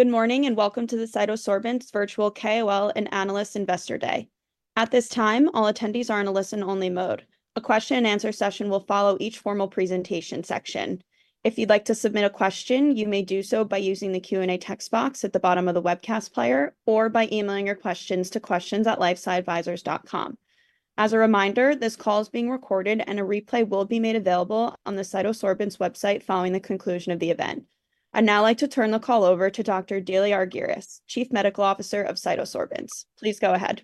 Good morning, and Welcome to the CytoSorbents virtual KOL and Analyst Investor Day. At this time, all attendees are in a listen-only mode. A question and answer session will follow each formal presentation section. If you'd like to submit a question, you may do so by using the Q&A text box at the bottom of the webcast player or by emailing your questions to questions@lifesciadvisors.com. As a reminder, this call is being recorded, and a replay will be made available on the CytoSorbents website following the conclusion of the event. I'd now like to turn the call over to Dr. Deliargyris, Chief Medical Officer of CytoSorbents. Please go ahead.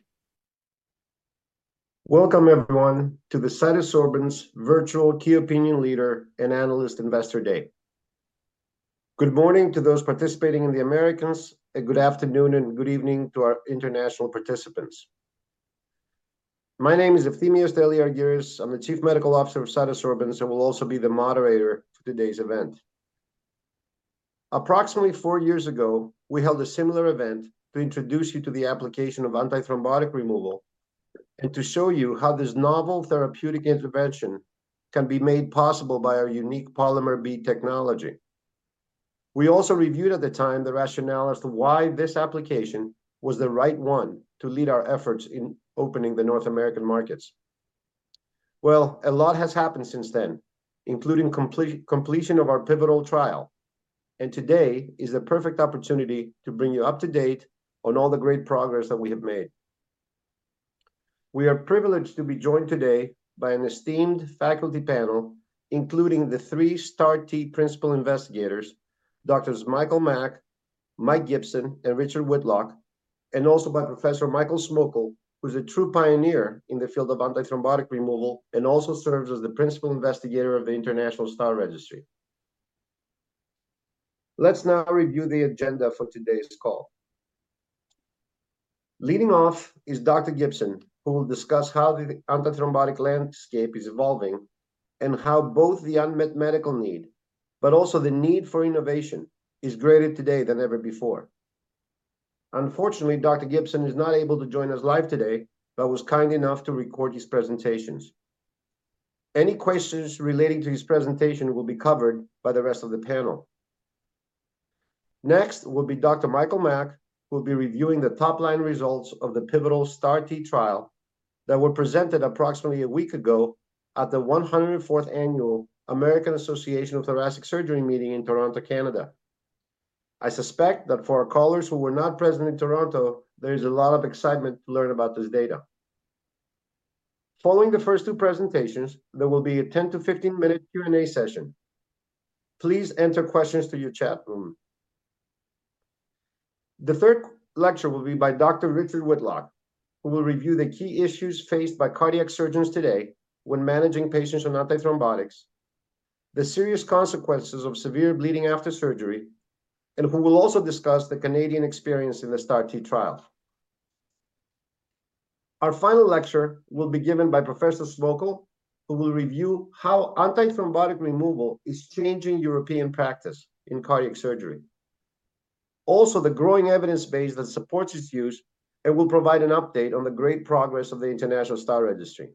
Welcome, everyone, to the CytoSorbents virtual Key Opinion Leader and Analyst Investor Day. Good morning to those participating in the Americas, and good afternoon and good evening to our international participants. My name is Efthymios Deliargyris. I'm the Chief Medical Officer of CytoSorbents and will also be the moderator for today's event. Approximately four years ago, we held a similar event to introduce you to the application of antithrombotic removal and to show you how this novel therapeutic intervention can be made possible by our unique polymer bead technology. We also reviewed at the time the rationale as to why this application was the right one to lead our efforts in opening the North American markets. Well, a lot has happened since then, including completion of our pivotal trial, and today is the perfect opportunity to bring you up to date on all the great progress that we have made. We are privileged to be joined today by an esteemed faculty panel, including the three STAR-T principal investigators, Doctors Michael Mack, Mike Gibson, and Richard Whitlock, and also by Professor Michael Schmoeckel, who's a true pioneer in the field of antithrombotic removal and also serves as the principal investigator of the International STAR Registry. Let's now review the agenda for today's call. Leading off is Dr. Gibson, who will discuss how the antithrombotic landscape is evolving and how both the unmet medical need, but also the need for innovation, is greater today than ever before. Unfortunately, Dr. Gibson is not able to join us live today but was kind enough to record his presentations. Any questions relating to his presentation will be covered by the rest of the panel. Next will be Dr. Michael Mack, who will be reviewing the top-line results of the pivotal STAR-T trial that were presented approximately a week ago at the 104th annual American Association for Thoracic Surgery meeting in Toronto, Canada. I suspect that for our callers who were not present in Toronto, there is a lot of excitement to learn about this data. Following the first two presentations, there will be a 10-15-minute Q&A session. Please enter questions to your chat room. The third lecture will be by Dr. Richard Whitlock, who will review the key issues faced by cardiac surgeons today when managing patients on antithrombotics, the serious consequences of severe bleeding after surgery, and who will also discuss the Canadian experience in the STAR-T trial. Our final lecture will be given by Professor Schmoeckel, who will review how antithrombotic removal is changing European practice in cardiac surgery. Also, the growing evidence base that supports its use and will provide an update on the great progress of the International STAR Registry.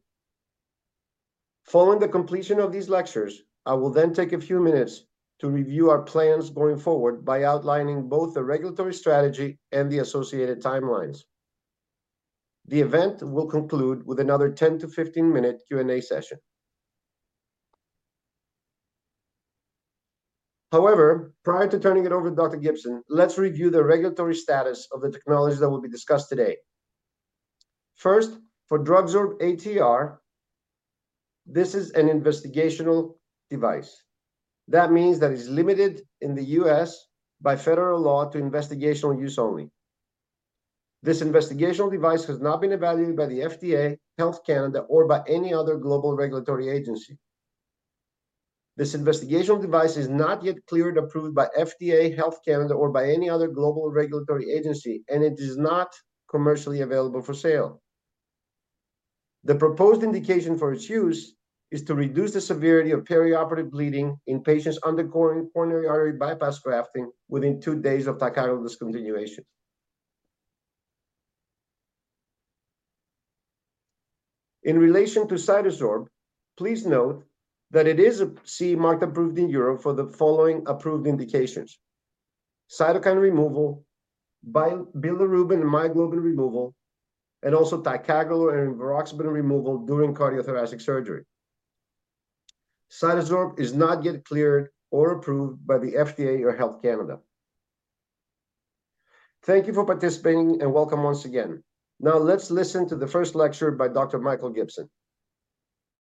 Following the completion of these lectures, I will then take a few minutes to review our plans going forward by outlining both the regulatory strategy and the associated timelines. The event will conclude with another 10-15-minute Q&A session. However, prior to turning it over to Dr. Gibson, let's review the regulatory status of the technologies that will be discussed today. First, for DrugSorb-ATR, this is an investigational device. That means that it's limited in the U.S. by federal law to investigational use only. This investigational device has not been evaluated by the FDA, Health Canada, or by any other global regulatory agency. This investigational device is not yet cleared or approved by FDA, Health Canada, or by any other global regulatory agency, and it is not commercially available for sale. The proposed indication for its use is to reduce the severity of perioperative bleeding in patients undergoing coronary artery bypass grafting within two days of ticagrelor discontinuation. In relation to CytoSorb, please note that it is CE Mark approved in Europe for the following approved indications: cytokine removal, bilirubin and myoglobin removal, and also ticagrelor and rivaroxaban removal during cardiothoracic surgery. CytoSorb is not yet cleared or approved by the FDA or Health Canada. Thank you for participating, and welcome once again. Now, let's listen to the first lecture by Dr. Michael Gibson.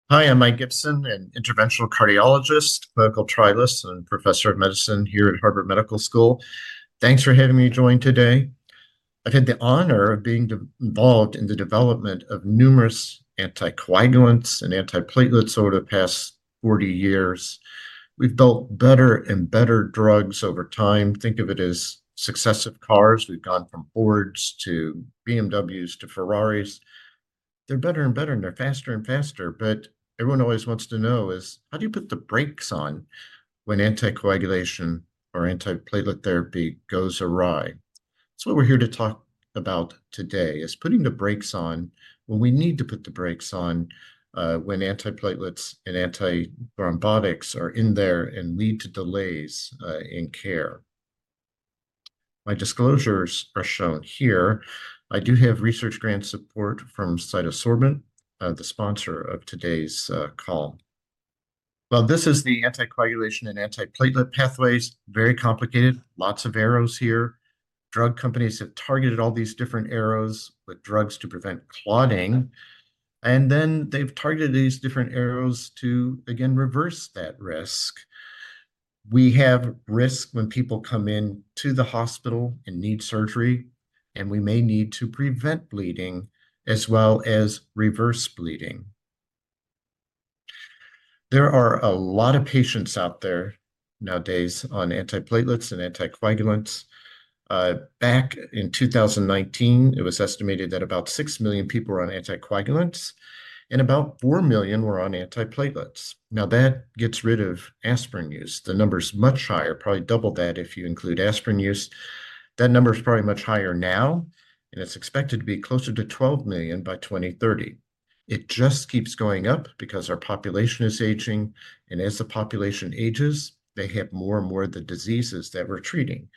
Hi, I'm Mike Gibson, an interventional cardiologist, clinical trialist, and professor of medicine here at Harvard Medical School. Thanks for having me join today. I've had the honor of being involved in the development of numerous anticoagulants and antiplatelets over the past 40 years. We've built better and better drugs over time. Think of it as successive cars. We've gone from Fords to BMWs to Ferraris. They're better and better, and they're faster and faster, but everyone always wants to know is: how do you put the brakes on when anticoagulation or antiplatelet therapy goes awry? So what we're here to talk about today is putting the brakes on when we need to put the brakes on, when antiplatelets and antithrombotics are in there and lead to delays in care. My disclosures are shown here. I do have research grant support from CytoSorbents, the sponsor of today's call. Well, this is the anticoagulation and antiplatelet pathways. Very complicated, lots of arrows here. Drug companies have targeted all these different arrows with drugs to prevent clotting, and then they've targeted these different arrows to, again, reverse that risk. We have risk when people come in to the hospital and need surgery, and we may need to prevent bleeding as well as reverse bleeding. There are a lot of patients out there nowadays on antiplatelets and anticoagulants. Back in 2019, it was estimated that about 6 million people were on anticoagulants and about 4 million were on antiplatelets. Now, that gets rid of aspirin use. The number's much higher, probably double that if you include aspirin use. That number is probably much higher now, and it's expected to be closer to 12 million by 2030. It just keeps going up because our population is aging. And as the population ages, they have more and more of the diseases that we're treating,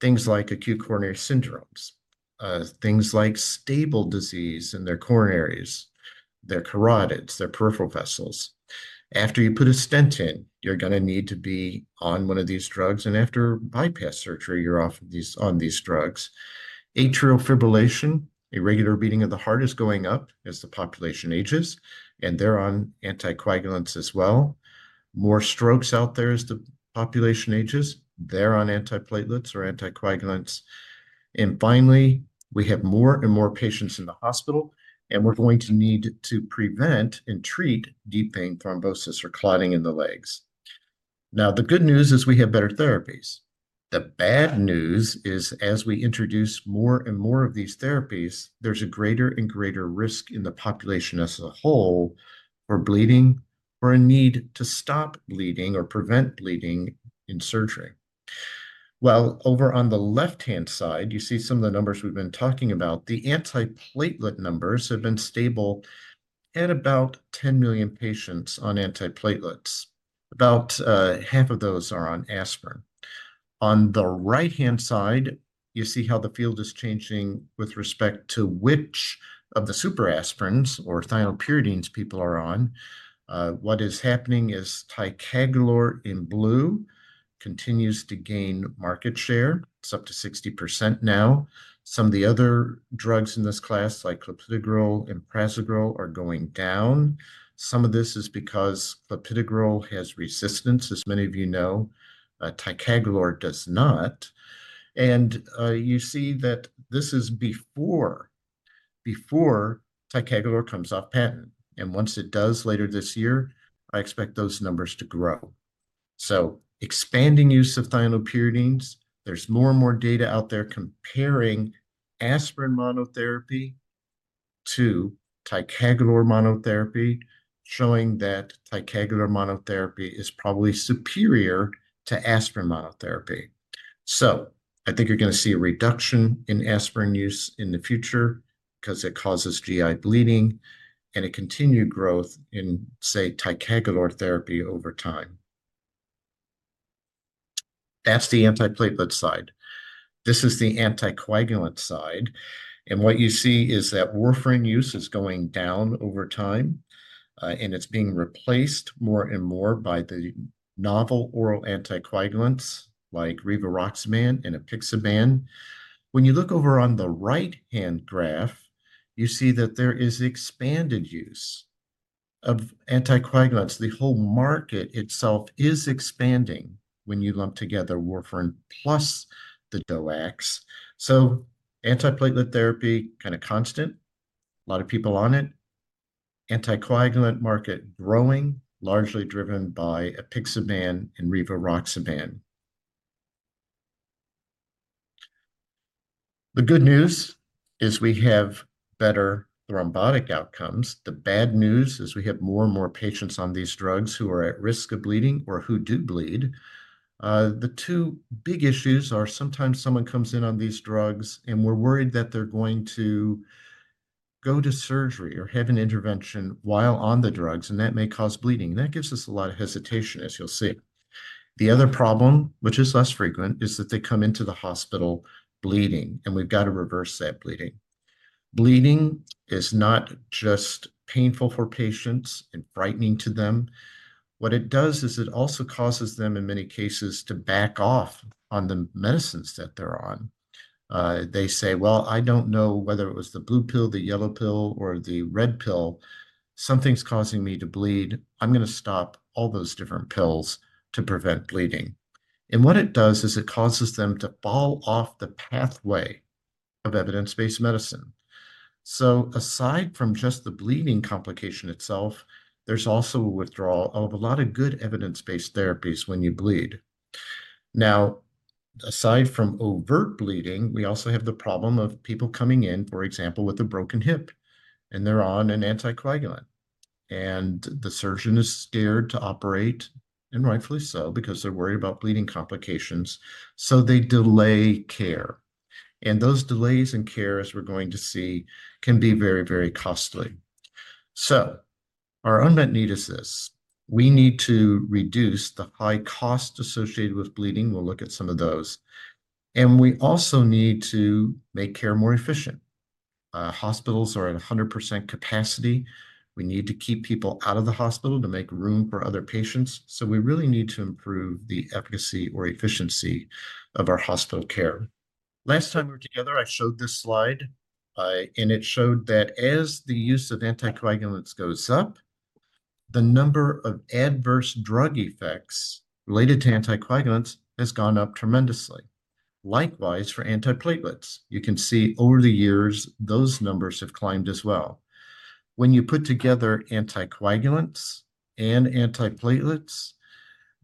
things like acute coronary syndromes, things like stable disease in their coronaries, their carotids, their peripheral vessels. After you put a stent in, you're gonna need to be on one of these drugs, and after bypass surgery, you're off these—on these drugs. Atrial fibrillation, irregular beating of the heart, is going up as the population ages, and they're on anticoagulants as well. More strokes out there as the population ages. They're on antiplatelets or anticoagulants. And finally, we have more and more patients in the hospital, and we're going to need to prevent and treat deep vein thrombosis or clotting in the legs. Now, the good news is we have better therapies. The bad news is, as we introduce more and more of these therapies, there's a greater and greater risk in the population as a whole for bleeding or a need to stop bleeding or prevent bleeding in surgery. Well, over on the left-hand side, you see some of the numbers we've been talking about. The antiplatelet numbers have been stable at about 10 million patients on antiplatelets. About half of those are on aspirin. On the right-hand side, you see how the field is changing with respect to which of the super aspirins or thienopyridines people are on. What is happening is ticagrelor, in blue, continues to gain market share. It's up to 60% now. Some of the other drugs in this class, like clopidogrel and prasugrel, are going down. Some of this is because clopidogrel has resistance, as many of you know. Ticagrelor does not. And, you see that this is before, before ticagrelor comes off patent, and once it does later this year, I expect those numbers to grow. So expanding use of thienopyridines, there's more and more data out there comparing aspirin monotherapy to ticagrelor monotherapy, showing that ticagrelor monotherapy is probably superior to aspirin monotherapy. So I think you're gonna see a reduction in aspirin use in the future because it causes GI bleeding and a continued growth in, say, ticagrelor therapy over time. That's the antiplatelet side. This is the anticoagulant side, and what you see is that warfarin use is going down over time, and it's being replaced more and more by the novel oral anticoagulants like rivaroxaban and apixaban. When you look over on the right-hand graph, you see that there is expanded use of anticoagulants. The whole market itself is expanding when you lump together warfarin plus the DOACs. So antiplatelet therapy, kinda constant, a lot of people on it. Anticoagulant market growing, largely driven by apixaban and rivaroxaban. The good news is we have better thrombotic outcomes. The bad news is we have more and more patients on these drugs who are at risk of bleeding or who do bleed. The two big issues are sometimes someone comes in on these drugs, and we're worried that they're going to go to surgery or have an intervention while on the drugs, and that may cause bleeding, and that gives us a lot of hesitation, as you'll see. The other problem, which is less frequent, is that they come into the hospital bleeding, and we've got to reverse that bleeding. Bleeding is not just painful for patients and frightening to them. What it does is it also causes them, in many cases, to back off on the medicines that they're on. They say, "Well, I don't know whether it was the blue pill, the yellow pill, or the red pill. Something's causing me to bleed. I'm gonna stop all those different pills to prevent bleeding." And what it does is it causes them to fall off the pathway of evidence-based medicine. So aside from just the bleeding complication itself, there's also a withdrawal of a lot of good evidence-based therapies when you bleed. Now, aside from overt bleeding, we also have the problem of people coming in, for example, with a broken hip, and they're on an anticoagulant and the surgeon is scared to operate, and rightfully so, because they're worried about bleeding complications, so they delay care. And those delays in care, as we're going to see, can be very, very costly. So our unmet need is this: We need to reduce the high cost associated with bleeding, we'll look at some of those, and we also need to make care more efficient. Hospitals are at 100% capacity. We need to keep people out of the hospital to make room for other patients. So we really need to improve the efficacy or efficiency of our hospital care. Last time we were together, I showed this slide, and it showed that as the use of anticoagulants goes up, the number of adverse drug effects related to anticoagulants has gone up tremendously. Likewise, for antiplatelets, you can see over the years, those numbers have climbed as well. When you put together anticoagulants and antiplatelets,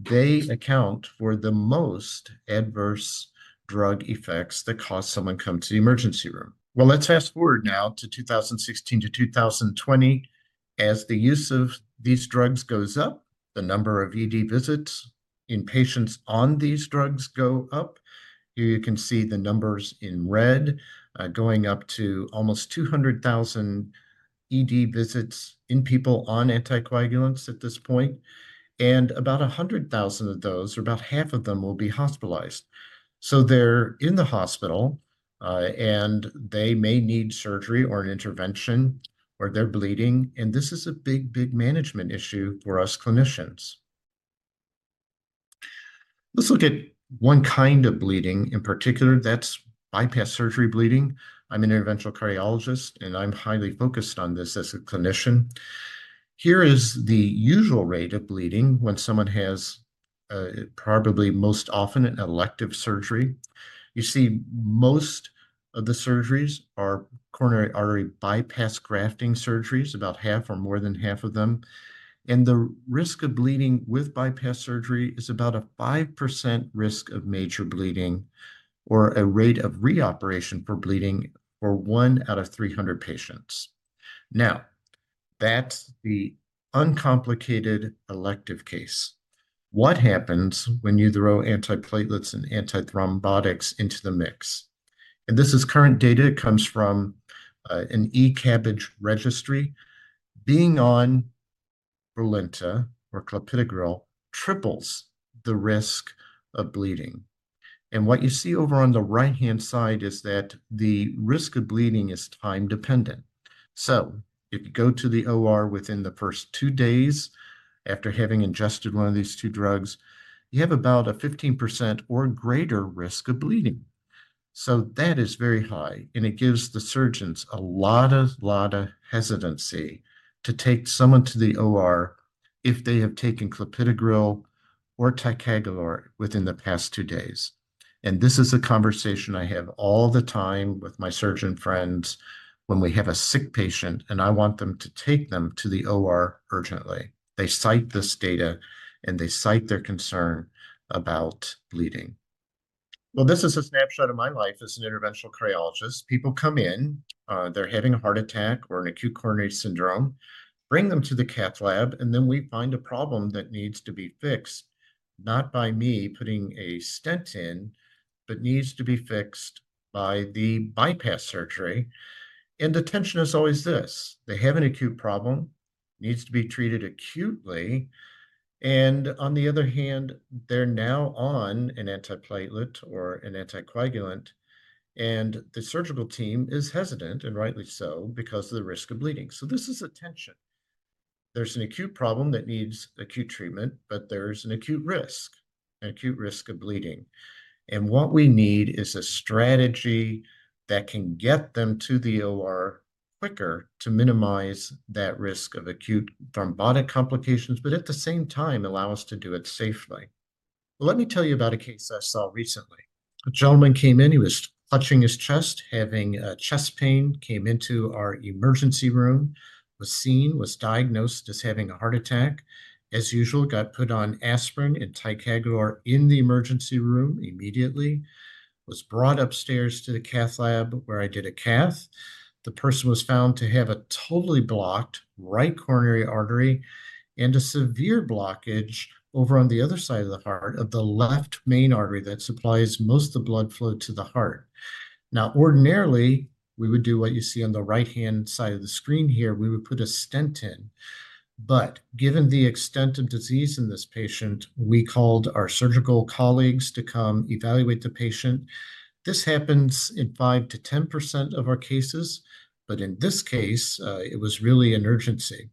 they account for the most adverse drug effects that cause someone to come to the emergency room. Well, let's fast-forward now to 2016 to 2020. As the use of these drugs goes up, the number of ED visits in patients on these drugs go up. Here you can see the numbers in red, going up to almost 200,000 ED visits in people on anticoagulants at this point, and about 100,000 of those, or about half of them, will be hospitalized. So they're in the hospital, and they may need surgery or an intervention, or they're bleeding, and this is a big, big management issue for us clinicians. Let's look at one kind of bleeding, in particular, that's bypass surgery bleeding. I'm an interventional cardiologist, and I'm highly focused on this as a clinician. Here is the usual rate of bleeding when someone has, probably most often an elective surgery. You see, most of the surgeries are coronary artery bypass grafting surgeries, about half or more than half of them. And the risk of bleeding with bypass surgery is about a 5% risk of major bleeding, or a rate of reoperation for bleeding for 1 out of 300 patients. Now, that's the uncomplicated elective case. What happens when you throw antiplatelets and antithrombotics into the mix? And this is current data. It comes from an E-CABG registry. Being on Brilinta, or clopidogrel, triples the risk of bleeding. What you see over on the right-hand side is that the risk of bleeding is time-dependent. So if you go to the OR within the first two days after having ingested one of these two drugs, you have about a 15% or greater risk of bleeding. So that is very high, and it gives the surgeons a lotta, lotta hesitancy to take someone to the OR if they have taken clopidogrel or ticagrelor within the past two days. And this is a conversation I have all the time with my surgeon friends when we have a sick patient, and I want them to take them to the OR urgently. They cite this data, and they cite their concern about bleeding. Well, this is a snapshot of my life as an interventional cardiologist. People come in, they're having a heart attack or an acute coronary syndrome, bring them to the cath lab, and then we find a problem that needs to be fixed, not by me putting a stent in, but needs to be fixed by the bypass surgery. And the tension is always this: They have an acute problem, needs to be treated acutely, and on the other hand, they're now on an antiplatelet or an anticoagulant, and the surgical team is hesitant, and rightly so, because of the risk of bleeding. So this is a tension. There's an acute problem that needs acute treatment, but there's an acute risk, an acute risk of bleeding. What we need is a strategy that can get them to the OR quicker to minimize that risk of acute thrombotic complications, but at the same time, allow us to do it safely. Well, let me tell you about a case I saw recently. A gentleman came in. He was clutching his chest, having chest pain, came into our emergency room, was seen, was diagnosed as having a heart attack. As usual, got put on aspirin and ticagrelor in the emergency room immediately, was brought upstairs to the cath lab, where I did a cath. The person was found to have a totally blocked right coronary artery and a severe blockage over on the other side of the heart, of the left main artery that supplies most of the blood flow to the heart. Now, ordinarily, we would do what you see on the right-hand side of the screen here, we would put a stent in. But given the extent of disease in this patient, we called our surgical colleagues to come evaluate the patient. This happens in 5%-10% of our cases, but in this case, it was really an urgency.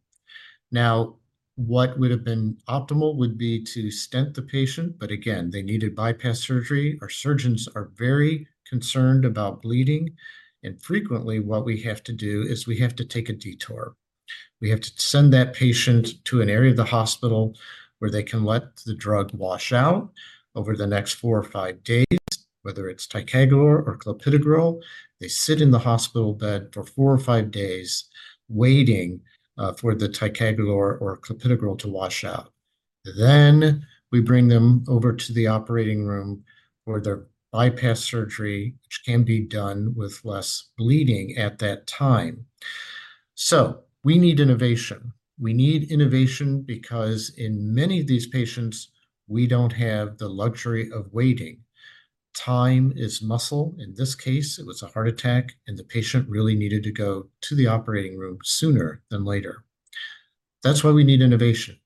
Now, what would have been optimal would be to stent the patient, but again, they needed bypass surgery. Our surgeons are very concerned about bleeding, and frequently, what we have to do is we have to take a detour. We have to send that patient to an area of the hospital where they can let the drug wash out over the next 4 or 5 days, whether it's ticagrelor or clopidogrel. They sit in the hospital bed for four or five days, waiting for the ticagrelor or clopidogrel to wash out. Then we bring them over to the operating room for their bypass surgery, which can be done with less bleeding at that time. So we need innovation. We need innovation because in many of these patients, we don't have the luxury of waiting. Time is muscle. In this case, it was a heart attack, and the patient really needed to go to the operating room sooner than later. That's why we need innovation,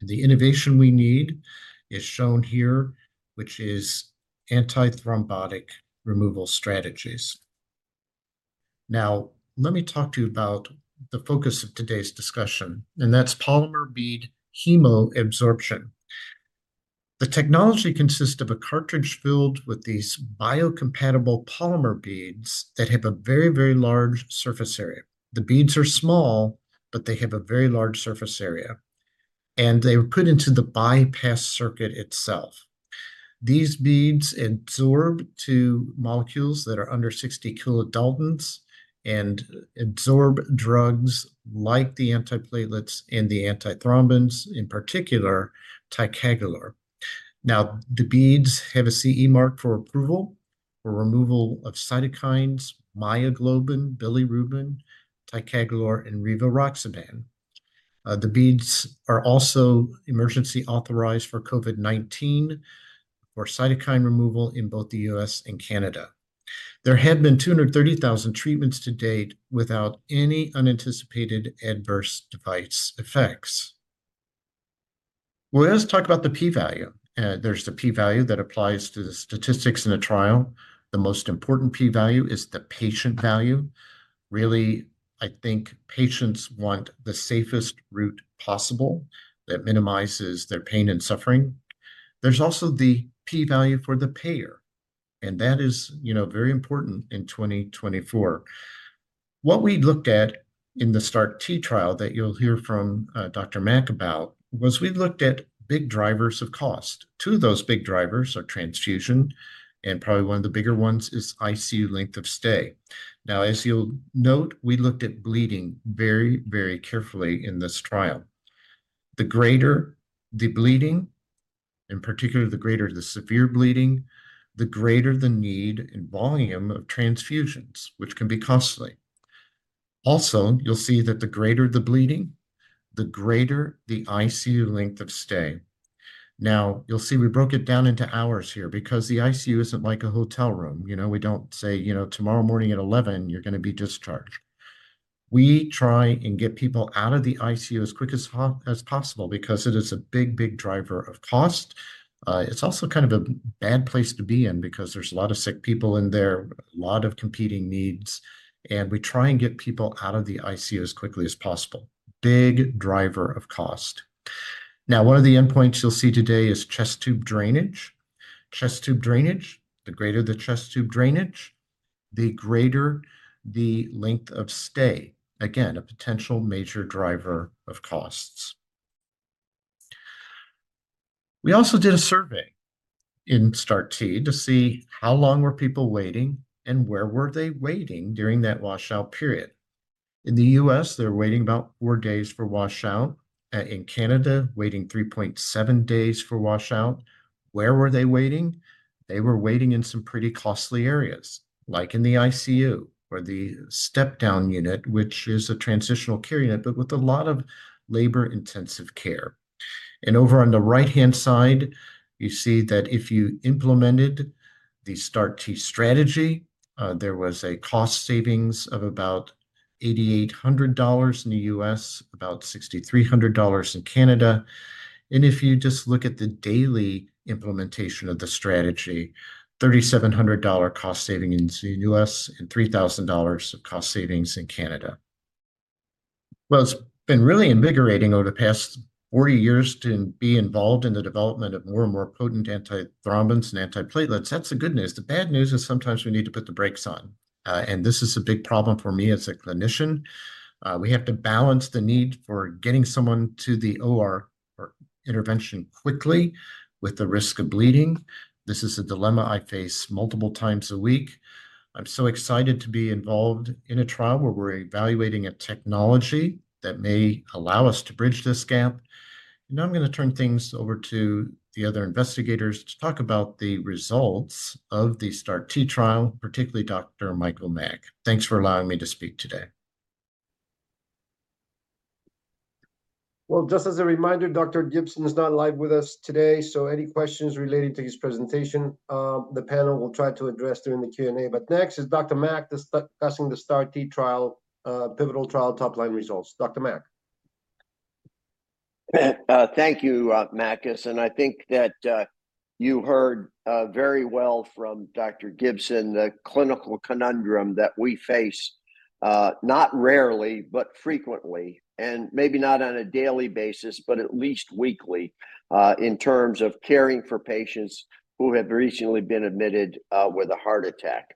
and the innovation we need is shown here, which is antithrombotic removal strategies. Now, let me talk to you about the focus of today's discussion, and that's polymer bead chemoabsorption. The technology consists of a cartridge filled with these biocompatible polymer beads that have a very, very large surface area. The beads are small, but they have a very large surface area, and they were put into the bypass circuit itself. These beads absorb to molecules that are under 60 kilodaltons and absorb drugs like the antiplatelets and the antithrombotics, in particular, ticagrelor. Now, the beads have a CE Mark for approval for removal of cytokines, myoglobin, bilirubin, ticagrelor, and rivaroxaban. The beads are also emergency authorized for COVID-19 for cytokine removal in both the U.S. and Canada. There had been 230,000 treatments to date without any unanticipated adverse device effects. Well, let's talk about the P value. There's the P value that applies to the statistics in a trial. The most important P value is the patient value. Really, I think patients want the safest route possible that minimizes their pain and suffering. There's also the P value for the payer, and that is, you know, very important in 2024. What we looked at in the START-T trial that you'll hear from, Dr. Mack about, was we looked at big drivers of cost. Two of those big drivers are transfusion, and probably one of the bigger ones is ICU length of stay. Now, as you'll note, we looked at bleeding very, very carefully in this trial. The greater the bleeding, in particular, the greater the severe bleeding, the greater the need and volume of transfusions, which can be costly. Also, you'll see that the greater the bleeding, the greater the ICU length of stay. Now, you'll see we broke it down into hours here because the ICU isn't like a hotel room. You know, we don't say, "You know, tomorrow morning at 11, you're gonna be discharged." We try and get people out of the ICU as quick as possible because it is a big, big driver of cost. It's also kind of a bad place to be in because there's a lot of sick people in there, a lot of competing needs, and we try and get people out of the ICU as quickly as possible. Big driver of cost. Now, one of the endpoints you'll see today is chest tube drainage. Chest tube drainage, the greater the chest tube drainage, the greater the length of stay. Again, a potential major driver of costs. We also did a survey in STAR-T to see how long were people waiting and where were they waiting during that washout period. In the U.S., they're waiting about four days for washout. In Canada, waiting 3.7 days for washout. Where were they waiting? They were waiting in some pretty costly areas, like in the ICU or the step-down unit, which is a transitional care unit, but with a lot of labor-intensive care. And over on the right-hand side, you see that if you implemented the STAR-T strategy, there was a cost savings of about $8,800 in the US, about $6,300 in Canada. And if you just look at the daily implementation of the strategy, $3,700 dollar cost saving in US, and $3,000 of cost savings in Canada. Well, it's been really invigorating over the past 40 years to be involved in the development of more and more potent antithrombotics and antiplatelets. That's the good news. The bad news is sometimes we need to put the brakes on, and this is a big problem for me as a clinician. We have to balance the need for getting someone to the OR or intervention quickly with the risk of bleeding. This is a dilemma I face multiple times a week. I'm so excited to be involved in a trial where we're evaluating a technology that may allow us to bridge this gap. Now, I'm gonna turn things over to the other investigators to talk about the results of the STAR-T trial, particularly Dr. Michael Mack. Thanks for allowing me to speak today. Well, just as a reminder, Dr. Gibson is not live with us today, so any questions related to his presentation, the panel will try to address during the Q&A. But next is Dr. Mack, discussing the STAR-T trial, pivotal trial top line results. Dr. Mack? Thank you, Makis, and I think that you heard very well from Dr. Gibson, the clinical conundrum that we face, not rarely, but frequently, and maybe not on a daily basis, but at least weekly, in terms of caring for patients who have recently been admitted with a heart attack.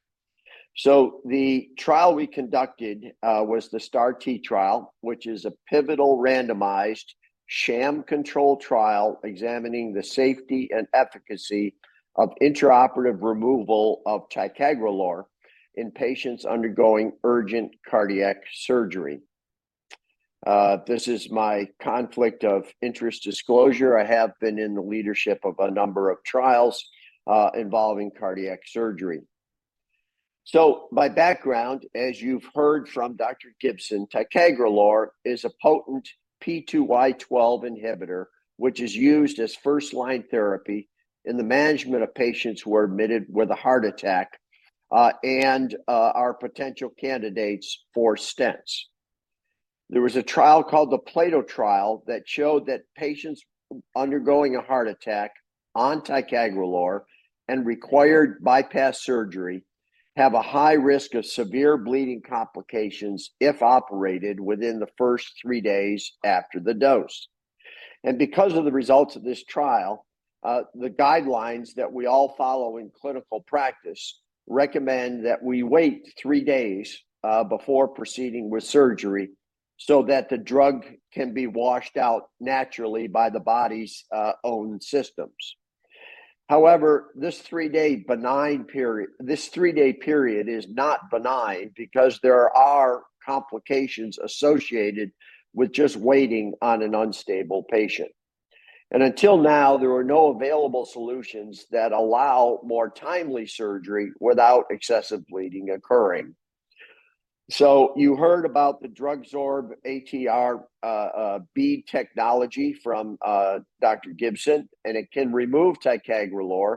So the trial we conducted was the STAR-T trial, which is a pivotal randomized sham control trial examining the safety and efficacy of intraoperative removal of ticagrelor in patients undergoing urgent cardiac surgery. This is my conflict of interest disclosure. I have been in the leadership of a number of trials, involving cardiac surgery. My background, as you've heard from Dr. Gibson, ticagrelor is a potent P2Y12 inhibitor, which is used as first-line therapy in the management of patients who are admitted with a heart attack, and are potential candidates for stents. There was a trial called the PLATO trial that showed that patients undergoing a heart attack on ticagrelor and required bypass surgery have a high risk of severe bleeding complications if operated within the first three days after the dose. Because of the results of this trial, the guidelines that we all follow in clinical practice recommend that we wait three days before proceeding with surgery so that the drug can be washed out naturally by the body's own systems. However, this three-day benign period - this three-day period is not benign because there are complications associated with just waiting on an unstable patient. Until now, there were no available solutions that allow more timely surgery without excessive bleeding occurring. So you heard about the DrugSorb-ATR bead technology from Dr. Gibson, and it can remove ticagrelor.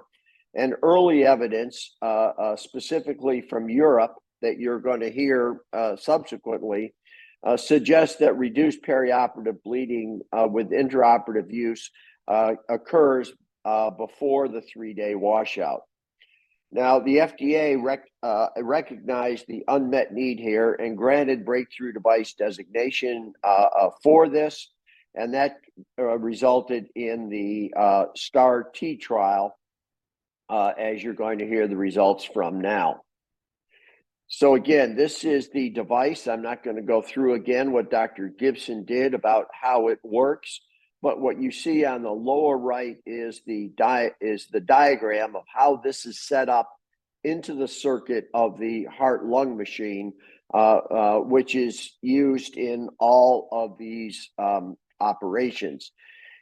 Early evidence, specifically from Europe, that you're going to hear subsequently, suggests that reduced perioperative bleeding with intraoperative use occurs before the three-day washout. Now, the FDA recognized the unmet need here and granted breakthrough device designation for this, and that resulted in the STAR-T trial, as you're going to hear the results from now. So again, this is the device. I'm not gonna go through again what Dr. Gibson did, about how it works, but what you see on the lower right is the diagram of how this is set up into the circuit of the heart-lung machine, which is used in all of these operations.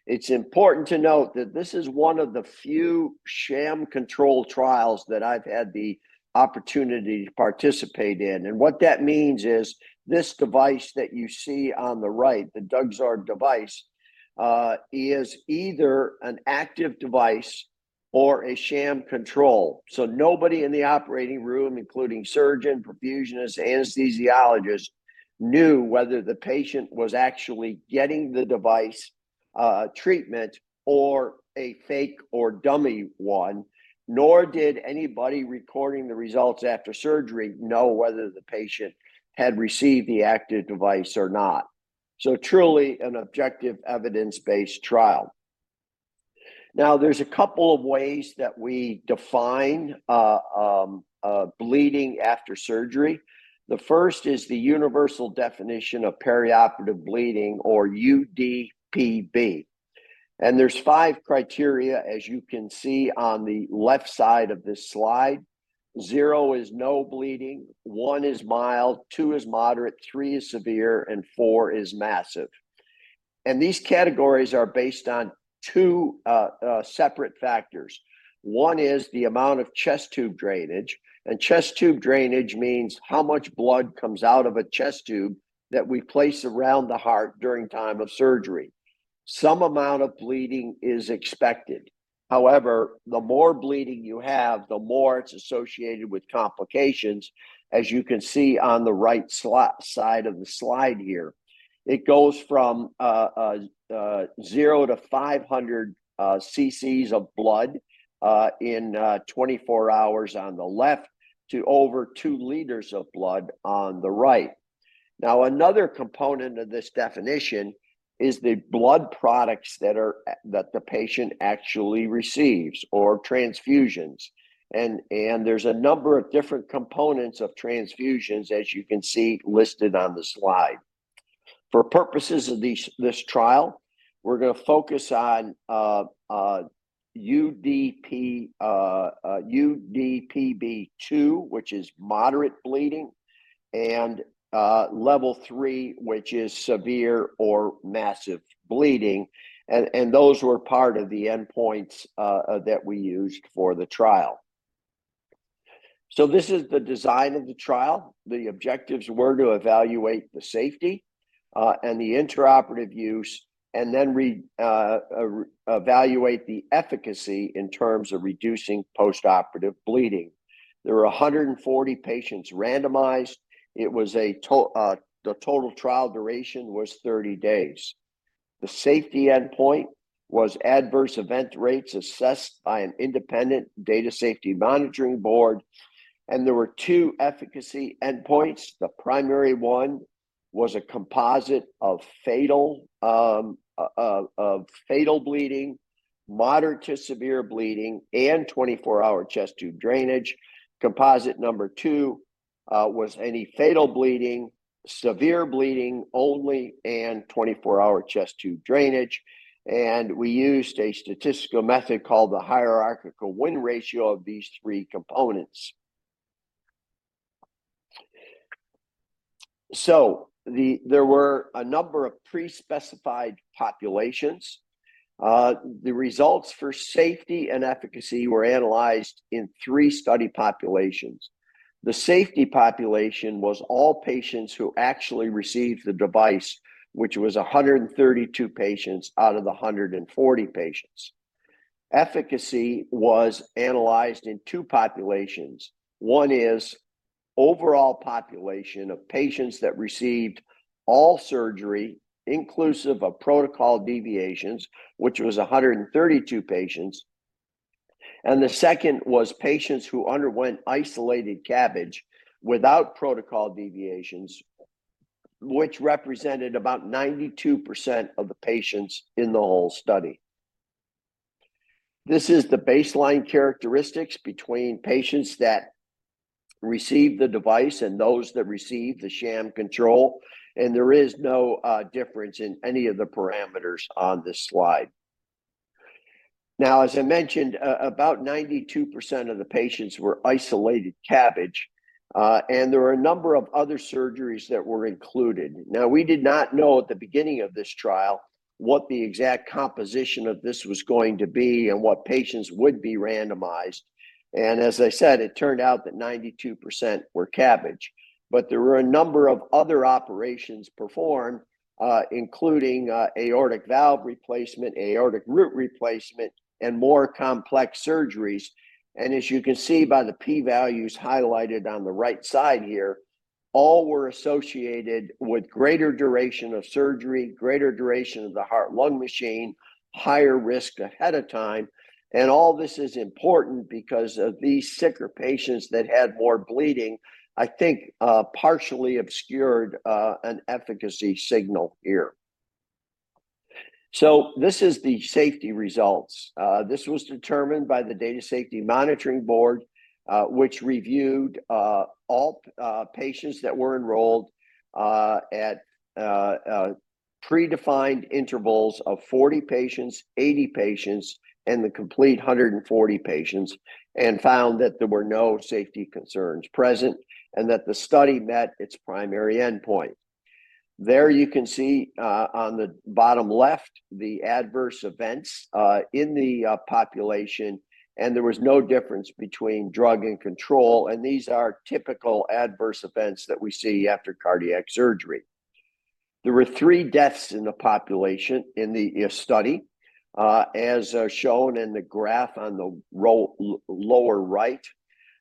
It's important to note that this is one of the few sham control trials that I've had the opportunity to participate in. What that means is, this device that you see on the right, the DrugSorb device, is either an active device or a sham control. Nobody in the operating room, including surgeon, perfusionist, anesthesiologist, knew whether the patient was actually getting the device treatment, or a fake or dummy one, nor did anybody recording the results after surgery know whether the patient had received the active device or not. Truly an objective, evidence-based trial. Now, there's a couple of ways that we define bleeding after surgery. The first is the Universal Definition of Perioperative Bleeding, or UDPB. There's five criteria, as you can see on the left side of this slide. Zero is no bleeding, one is mild, two is moderate, three is severe, and four is massive. These categories are based on two separate factors. One is the amount of chest tube drainage, and chest tube drainage means how much blood comes out of a chest tube that we place around the heart during time of surgery. Some amount of bleeding is expected. However, the more bleeding you have, the more it's associated with complications, as you can see on the right side of the slide here. It goes from zero to 500 cc's of blood in 24 hours on the left, to over two liters of blood on the right. Now, another component of this definition is the blood products that the patient actually receives, or transfusions. There's a number of different components of transfusions, as you can see listed on the slide. For purposes of this trial, we're gonna focus on UDPB2, which is moderate bleeding, and level three, which is severe or massive bleeding. Those were part of the endpoints that we used for the trial. So this is the design of the trial. The objectives were to evaluate the safety and the intraoperative use, and then re-evaluate the efficacy in terms of reducing postoperative bleeding. There were 140 patients randomized. The total trial duration was 30 days. The safety endpoint was adverse event rates assessed by an independent data safety monitoring board, and there were 2 efficacy endpoints. The primary one was a composite of fatal bleeding, moderate to severe bleeding, and 24-hour chest tube drainage. Composite number 2 was any fatal bleeding, severe bleeding only, and 24-hour chest tube drainage. We used a statistical method called the hierarchical win ratio of these 3 components. There were a number of pre-specified populations. The results for safety and efficacy were analyzed in 3 study populations. The safety population was all patients who actually received the device, which was 132 patients out of the 140 patients. Efficacy was analyzed in 2 populations. One is overall population of patients that received all surgery, inclusive of protocol deviations, which was 132 patients, and the second was patients who underwent isolated CABG without protocol deviations, which represented about 92% of the patients in the whole study. This is the baseline characteristics between patients that received the device and those that received the sham control, and there is no difference in any of the parameters on this slide. Now, as I mentioned, about 92% of the patients were isolated CABG, and there were a number of other surgeries that were included. Now, we did not know at the beginning of this trial what the exact composition of this was going to be and what patients would be randomized, and as I said, it turned out that 92% were CABG. But there were a number of other operations performed, including, aortic valve replacement, aortic root replacement, and more complex surgeries. And as you can see by the P values highlighted on the right side here, all were associated with greater duration of surgery, greater duration of the heart-lung machine, higher risk ahead of time. And all this is important because of these sicker patients that had more bleeding, I think, partially obscured, an efficacy signal here. So this is the safety results. This was determined by the Data Safety Monitoring Board, which reviewed, all patients that were enrolled, at predefined intervals of 40 patients, 80 patients, and the complete 140 patients, and found that there were no safety concerns present, and that the study met its primary endpoint. There you can see, on the bottom left, the adverse events, in the population, and there was no difference between drug and control, and these are typical adverse events that we see after cardiac surgery. There were three deaths in the population in the study, as shown in the graph on the lower right.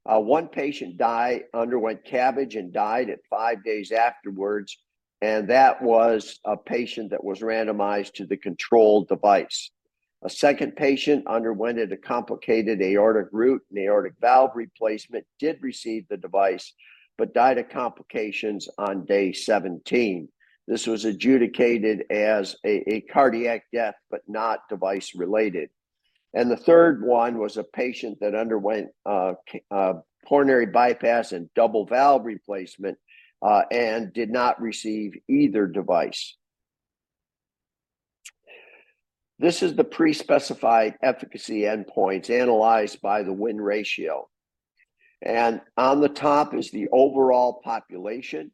One patient underwent CABG and died at five days afterwards, and that was a patient that was randomized to the control device. A second patient underwent a complicated aortic root and aortic valve replacement, did receive the device, but died of complications on day 17. This was adjudicated as a cardiac death, but not device-related. The third one was a patient that underwent coronary bypass and double valve replacement, and did not receive either device. This is the pre-specified efficacy endpoints analyzed by the win ratio, and on the top is the overall population,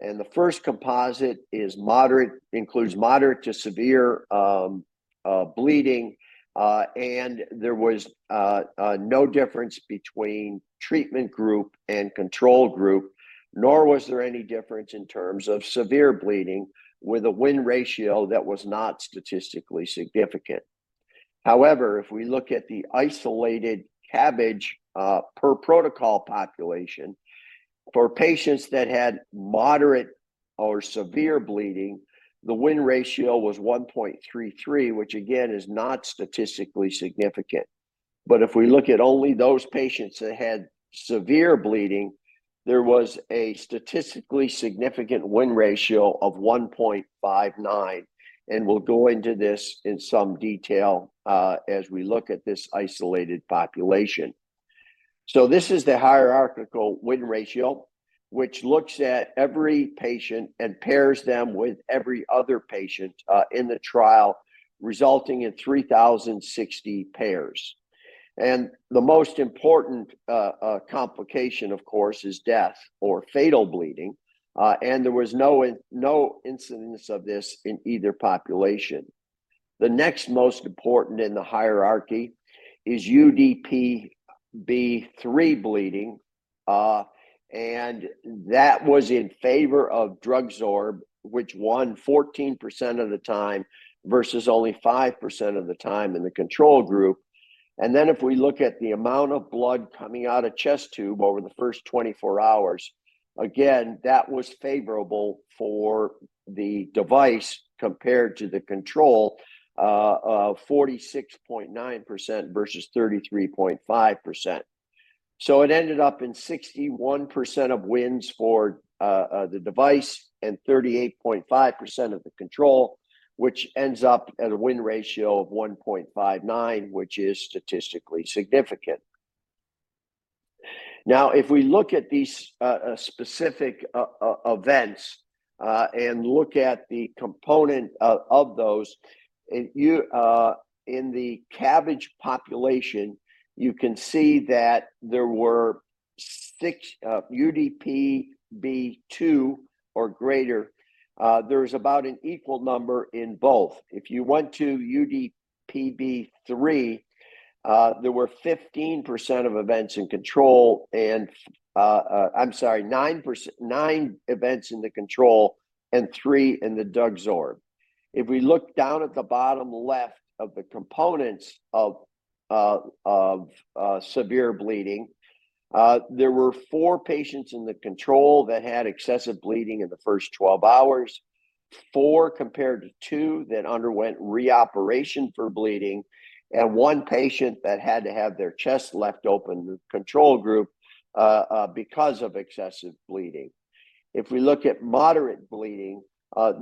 and the first composite is moderate- includes moderate to severe bleeding. And there was no difference between treatment group and control group, nor was there any difference in terms of severe bleeding, with a win ratio that was not statistically significant. However, if we look at the isolated CABG per protocol population, for patients that had moderate or severe bleeding, the win ratio was 1.33, which again, is not statistically significant. But if we look at only those patients that had severe bleeding, there was a statistically significant win ratio of 1.59, and we'll go into this in some detail as we look at this isolated population. This is the hierarchical win ratio, which looks at every patient and pairs them with every other patient in the trial, resulting in 3,060 pairs. The most important complication, of course, is death or fatal bleeding, and there was no incidence of this in either population. The next most important in the hierarchy is UDPB3 bleeding, and that was in favor of DrugSorb, which won 14% of the time, versus only 5% of the time in the control group. Then if we look at the amount of blood coming out of chest tube over the first 24 hours, again, that was favorable for the device compared to the control of 46.9% versus 33.5%. So it ended up in 61% of wins for the device, and 38.5% of the control, which ends up at a win ratio of 1.59, which is statistically significant. Now, if we look at these specific events and look at the component of those, and you in the CABG population, you can see that there were 6 UDPB2 or greater. There's about an equal number in both. If you went to UDPB3, there were 15% of events in control, and I'm sorry, 9%- 9 events in the control and 3 in the DrugSorb. If we look down at the bottom left of the components of severe bleeding, there were four patients in the control that had excessive bleeding in the first 12 hours, four compared to two that underwent reoperation for bleeding, and 1 patient that had to have their chest left open in the control group because of excessive bleeding. If we look at moderate bleeding,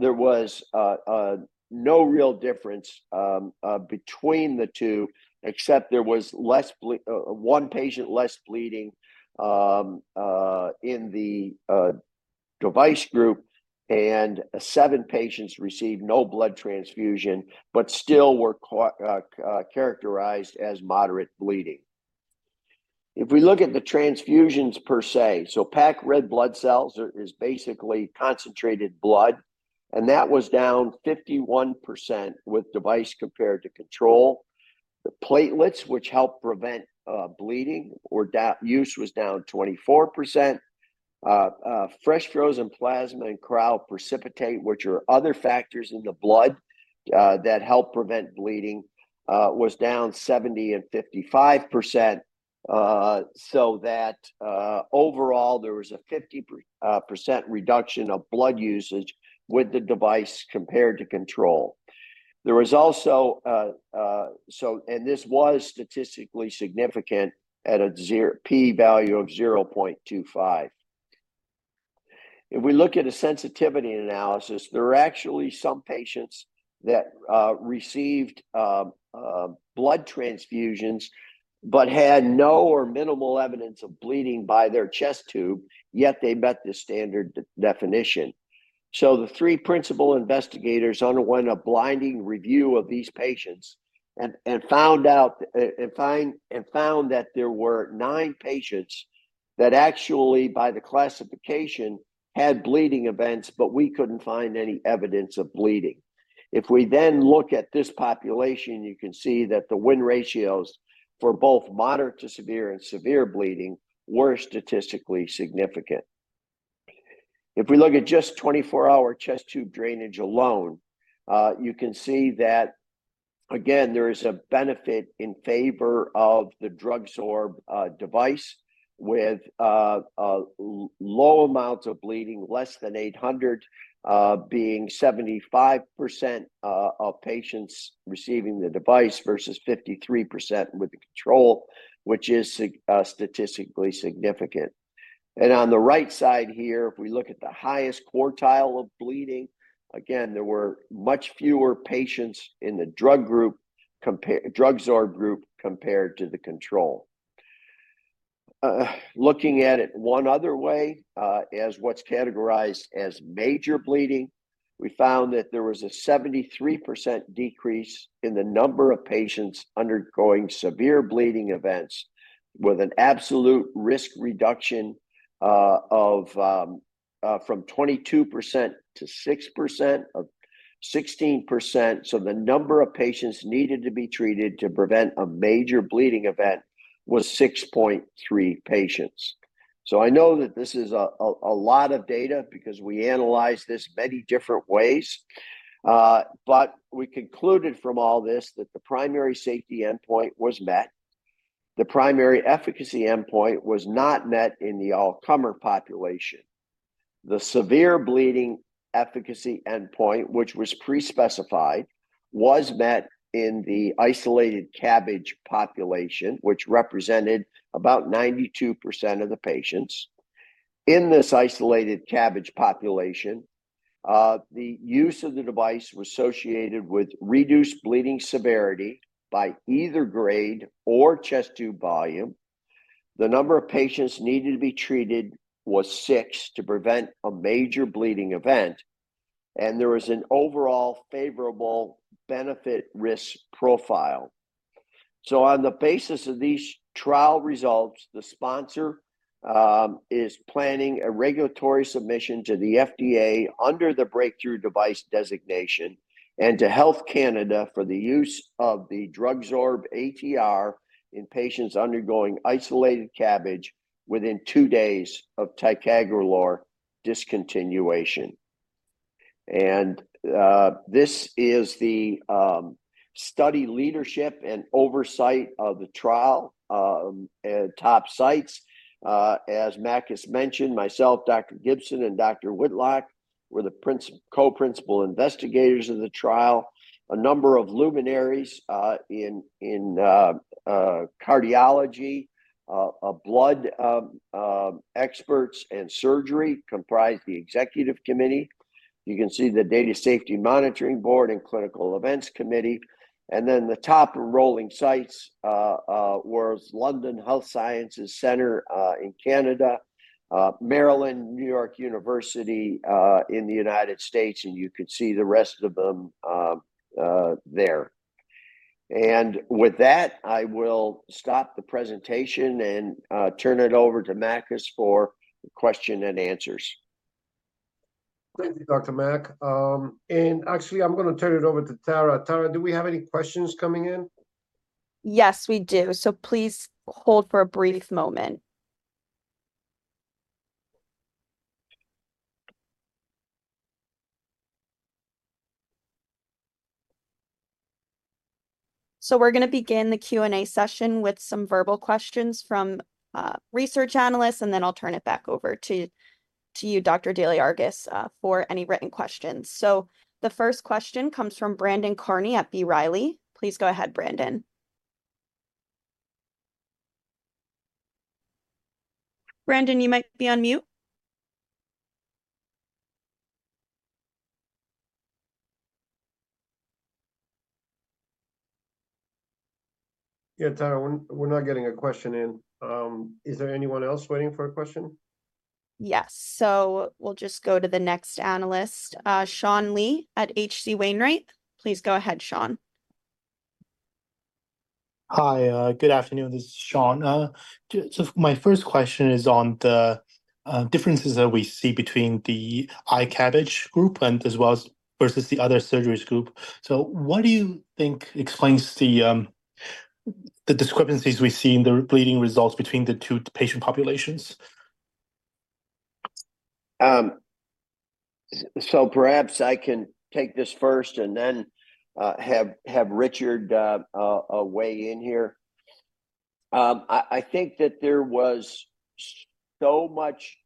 there was no real difference between the two, except there was less bleeding, one patient less bleeding in the device group, and seven patients received no blood transfusion, but still were characterized as moderate bleeding. If we look at the transfusions per se, so packed red blood cells are, is basically concentrated blood, and that was down 51% with device compared to control. The platelets, which help prevent bleeding, or down use, was down 24%. Fresh frozen plasma and cryoprecipitate, which are other factors in the blood, that help prevent bleeding, was down 70% and 55%, so that overall, there was a 50% reduction of blood usage with the device compared to control. There was also and this was statistically significant at a p-value of 0.25. If we look at a sensitivity analysis, there are actually some patients that received blood transfusions but had no or minimal evidence of bleeding by their chest tube, yet they met the standard definition. So the three principal investigators underwent a blinding review of these patients and found that there were nine patients that actually, by the classification, had bleeding events, but we couldn't find any evidence of bleeding. If we then look at this population, you can see that the win ratios for both moderate to severe and severe bleeding were statistically significant. If we look at just 24-hour chest tube drainage alone, you can see that, again, there is a benefit in favor of the DrugSorb device, with low amounts of bleeding, less than 800, being 75% of patients receiving the device, versus 53% with the control, which is statistically significant. On the right side here, if we look at the highest quartile of bleeding, again, there were much fewer patients in the DrugSorb group compared to the control. Looking at it one other way, as what's categorized as major bleeding, we found that there was a 73% decrease in the number of patients undergoing severe bleeding events, with an absolute risk reduction of from 22% to 6%, 16%. So the number of patients needed to be treated to prevent a major bleeding event was 6.3 patients. So I know that this is a lot of data, because we analyzed this many different ways. But we concluded from all this that the primary safety endpoint was met. The primary efficacy endpoint was not met in the all-comer population. The severe bleeding efficacy endpoint, which was pre-specified, was met in the isolated CABG population, which represented about 92% of the patients. In this isolated CABG population, the use of the device was associated with reduced bleeding severity by either grade or chest tube volume. The number of patients needed to be treated was six to prevent a major bleeding event, and there was an overall favorable benefit-risk profile. So on the basis of these trial results, the sponsor is planning a regulatory submission to the FDA under the breakthrough device designation and to Health Canada for the use of the DrugSorb-ATR in patients undergoing isolated CABG within two days of ticagrelor discontinuation. And, this is the study leadership and oversight of the trial at top sites. As Makis mentioned, myself, Dr. Gibson, and Dr. Whitlock were the co-principal investigators of the trial. A number of luminaries in cardiology, blood experts and surgery comprised the executive committee. You can see the Data Safety Monitoring Board and Clinical Events Committee. And then the top enrolling sites was London Health Sciences Centre in Canada, Maryland, New York University in the United States, and you can see the rest of them there. And with that, I will stop the presentation and turn it over to Makis for Q&A. Thank you, Dr. Mack. Actually, I'm gonna turn it over to Tara. Tara, do we have any questions coming in? Yes, we do. So please hold for a brief moment. So we're gonna begin the Q&A session with some verbal questions from research analysts, and then I'll turn it back over to you, Dr. Deliargyris, for any written questions. So the first question comes from Brandon Carney at B. Riley. Please go ahead, Brandon. Brandon, you might be on mute. Yeah, Tara, we're not getting a question in. Is there anyone else waiting for a question? Yes, so we'll just go to the next analyst, Sean Lee at H.C. Wainwright. Please go ahead, Sean. Hi, good afternoon. This is Sean. My first question is on the differences that we see between the I-CABG group and as well as versus the other surgeries group. What do you think explains the discrepancies we see in the bleeding results between the two patient populations? So perhaps I can take this first, and then have Richard weigh in here. I think that there was so much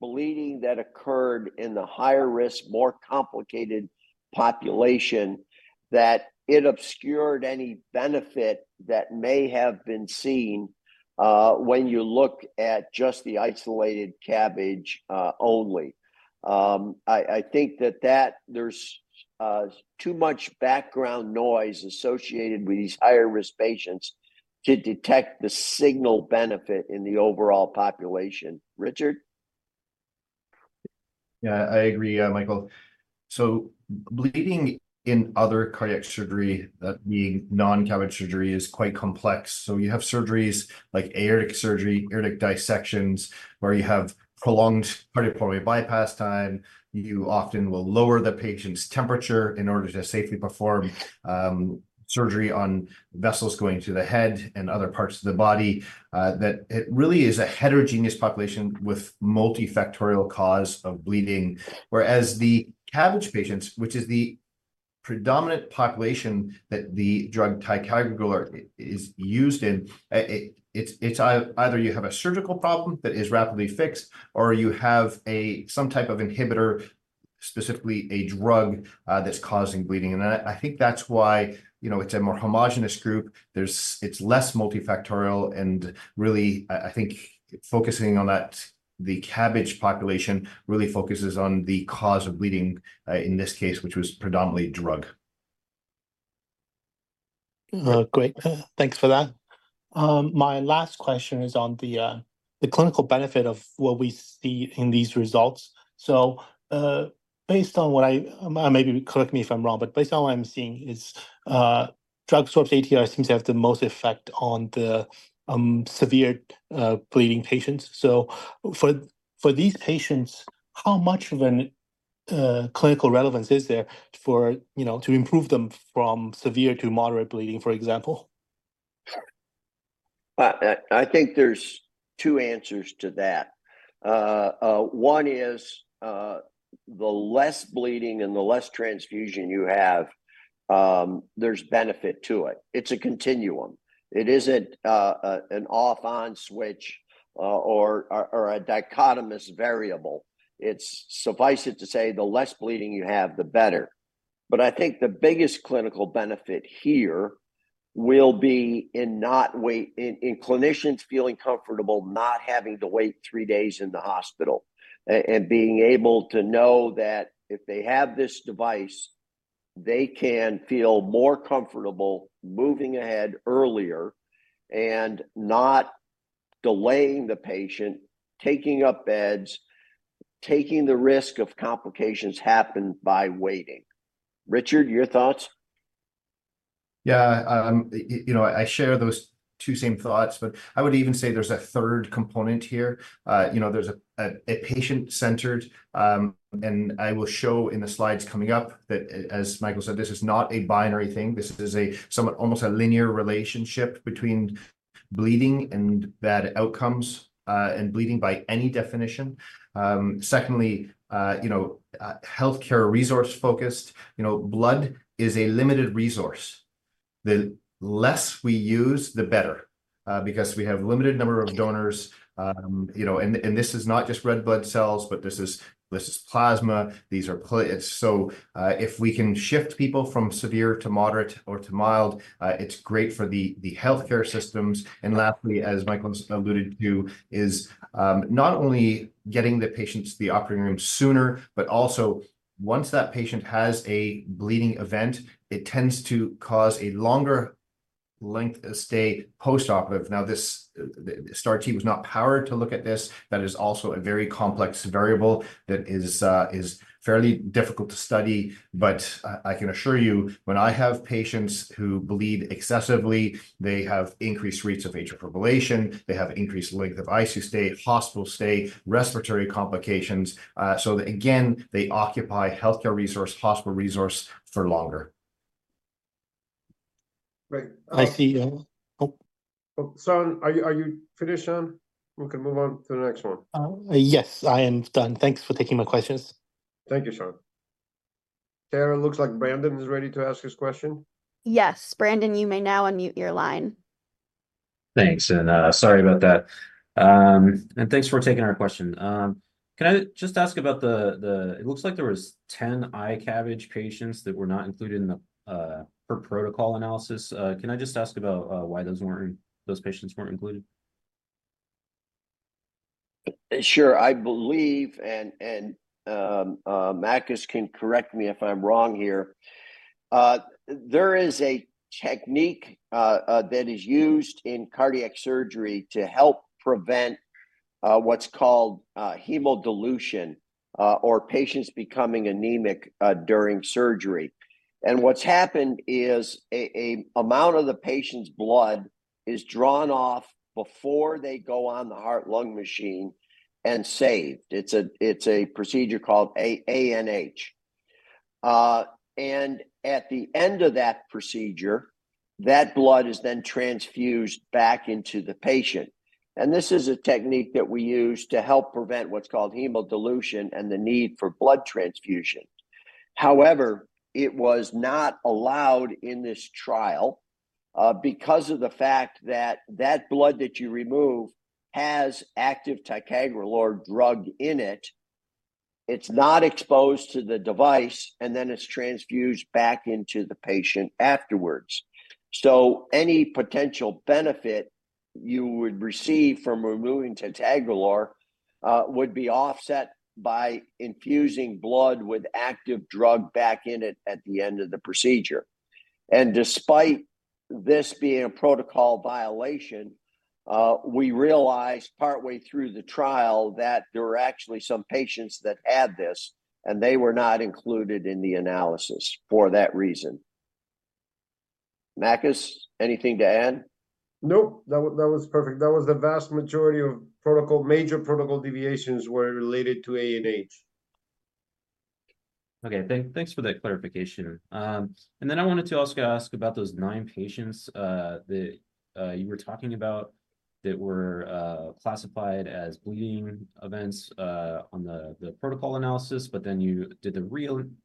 bleeding that occurred in the higher risk, more complicated population, that it obscured any benefit that may have been seen when you look at just the isolated CABG only. I think that there's too much background noise associated with these higher risk patients to detect the signal benefit in the overall population. Richard? Yeah, I agree, Michael. So bleeding in other cardiac surgery, that being non-CABG surgery, is quite complex. So you have surgeries like aortic surgery, aortic dissections, where you have prolonged cardiopulmonary bypass time. You often will lower the patient's temperature in order to safely perform surgery on vessels going to the head and other parts of the body. That it really is a heterogeneous population with multifactorial cause of bleeding. Whereas the CABG patients, which is the predominant population that the drug ticagrelor is used in, it's either you have a surgical problem that is rapidly fixed, or you have a some type of inhibitor, specifically a drug, that's causing bleeding. And I think that's why, you know, it's a more homogenous group. It's less multifactorial, and really, I think focusing on that, the CABG population really focuses on the cause of bleeding, in this case, which was predominantly drug. Great. Thanks for that. My last question is on the clinical benefit of what we see in these results. So, maybe correct me if I'm wrong, but based on what I'm seeing is, DrugSorb-ATR seems to have the most effect on the severe bleeding patients. So for these patients, how much of a clinical relevance is there for, you know, to improve them from severe to moderate bleeding, for example? I think there's two answers to that. One is, the less bleeding and the less transfusion you have, there's benefit to it. It's a continuum. It isn't a, an off/on switch, or a dichotomous variable. It's, suffice it to say, the less bleeding you have, the better. But I think the biggest clinical benefit here will be in not waiting, in clinicians feeling comfortable not having to wait three days in the hospital, and being able to know that if they have this device, they can feel more comfortable moving ahead earlier and not delaying the patient, taking up beds, taking the risk of complications happen by waiting. Richard, your thoughts? Yeah, you know, I share those two same thoughts, but I would even say there's a third component here. You know, there's a patient-centered, and I will show in the slides coming up that as Michael said, this is not a binary thing. This is a somewhat, almost a linear relationship between bleeding and bad outcomes, and bleeding by any definition. Secondly, you know, healthcare resource focused, you know, blood is a limited resource. The less we use, the better, because we have limited number of donors. You know, and this is not just red blood cells, but this is plasma, these are platelets, so if we can shift people from severe to moderate or to mild, it's great for the healthcare systems. And lastly, as Michael alluded to, is not only getting the patients to the operating room sooner, but also once that patient has a bleeding event, it tends to cause a longer length of stay postoperative. Now, this, the STAR-T was not powered to look at this. That is also a very complex variable that is fairly difficult to study, but I, I can assure you, when I have patients who bleed excessively, they have increased rates of atrial fibrillation, they have increased length of ICU stay, hospital stay, respiratory complications. So again, they occupy healthcare resource, hospital resource for longer. Right, uh I see, oh. Oh, Sean, are you finished, Sean? We can move on to the next one. Yes, I am done. Thanks for taking my questions. Thank you, Sean. Tara, looks like Brandon is ready to ask his question. Yes. Brandon, you may now unmute your line. Thanks, and sorry about that. And thanks for taking our question. Can I just ask about the. It looks like there was 10 I-CABG patients that were not included in the per protocol analysis. Can I just ask about why those patients weren't included? Sure. I believe, Makis can correct me if I'm wrong here, there is a technique that is used in cardiac surgery to help prevent what's called hemodilution or patients becoming anemic during surgery. And what's happened is an amount of the patient's blood is drawn off before they go on the heart-lung machine and saved. It's a procedure called ANH. And at the end of that procedure, that blood is then transfused back into the patient, and this is a technique that we use to help prevent what's called hemodilution and the need for blood transfusion. However, it was not allowed in this trial because of the fact that that blood that you remove has active ticagrelor drug in it. It's not exposed to the device, and then it's transfused back into the patient afterwards. So any potential benefit you would receive from removing ticagrelor would be offset by infusing blood with active drug back in it at the end of the procedure. Despite this being a protocol violation, we realized partway through the trial that there were actually some patients that had this, and they were not included in the analysis for that reason. Makis, anything to add? Nope, that was, that was perfect. That was the vast majority of protocol, major protocol deviations were related to ANH. Okay, thanks for that clarification. And then I wanted to also ask about those nine patients that you were talking about, that were classified as bleeding events on the protocol analysis, but then you did the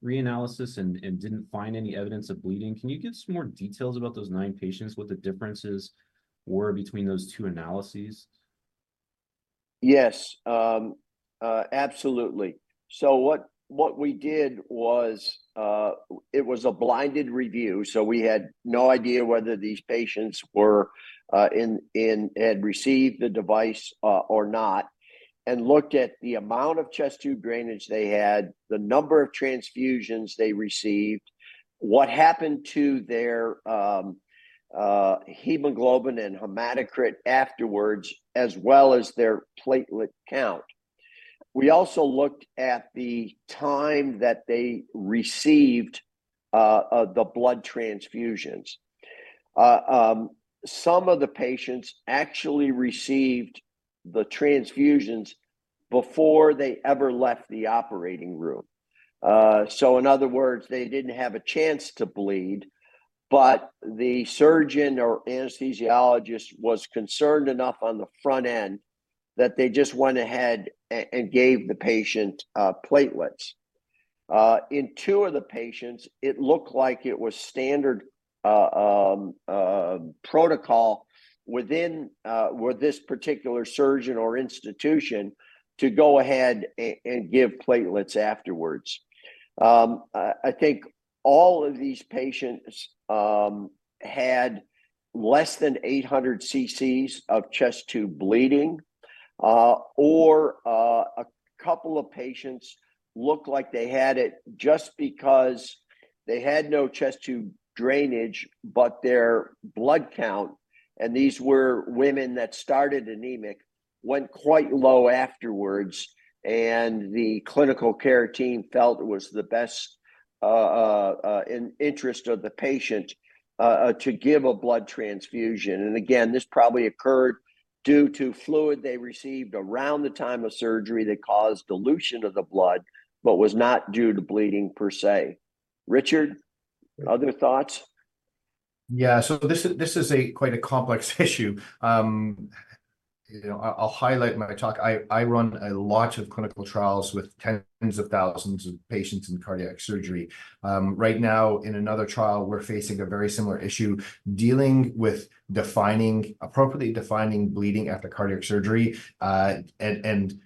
reanalysis and didn't find any evidence of bleeding. Can you give us some more details about those nine patients, what the differences were between those two analyses? Yes, absolutely. So what we did was, it was a blinded review, so we had no idea whether these patients had received the device or not, and looked at the amount of chest tube drainage they had, the number of transfusions they received, what happened to their hemoglobin and hematocrit afterwards, as well as their platelet count. We also looked at the time that they received the blood transfusions. Some of the patients actually received the transfusions before they ever left the operating room. So in other words, they didn't have a chance to bleed, but the surgeon or anesthesiologist was concerned enough on the front end that they just went ahead and gave the patient platelets. In two of the patients, it looked like it was standard protocol within with this particular surgeon or institution to go ahead and give platelets afterwards. I think all of these patients had less than 800 ccs of chest tube bleeding, or a couple of patients looked like they had it just because they had no chest tube drainage, but their blood count, and these were women that started anemic, went quite low afterwards, and the clinical care team felt it was the best in interest of the patient to give a blood transfusion. And again, this probably occurred due to fluid they received around the time of surgery that caused dilution of the blood, but was not due to bleeding per se. Richard, other thoughts? Yeah, so this is quite a complex issue. You know, I'll highlight my talk. I run a lot of clinical trials with tens of thousands of patients in cardiac surgery. Right now, in another trial, we're facing a very similar issue, dealing with appropriately defining bleeding after cardiac surgery. And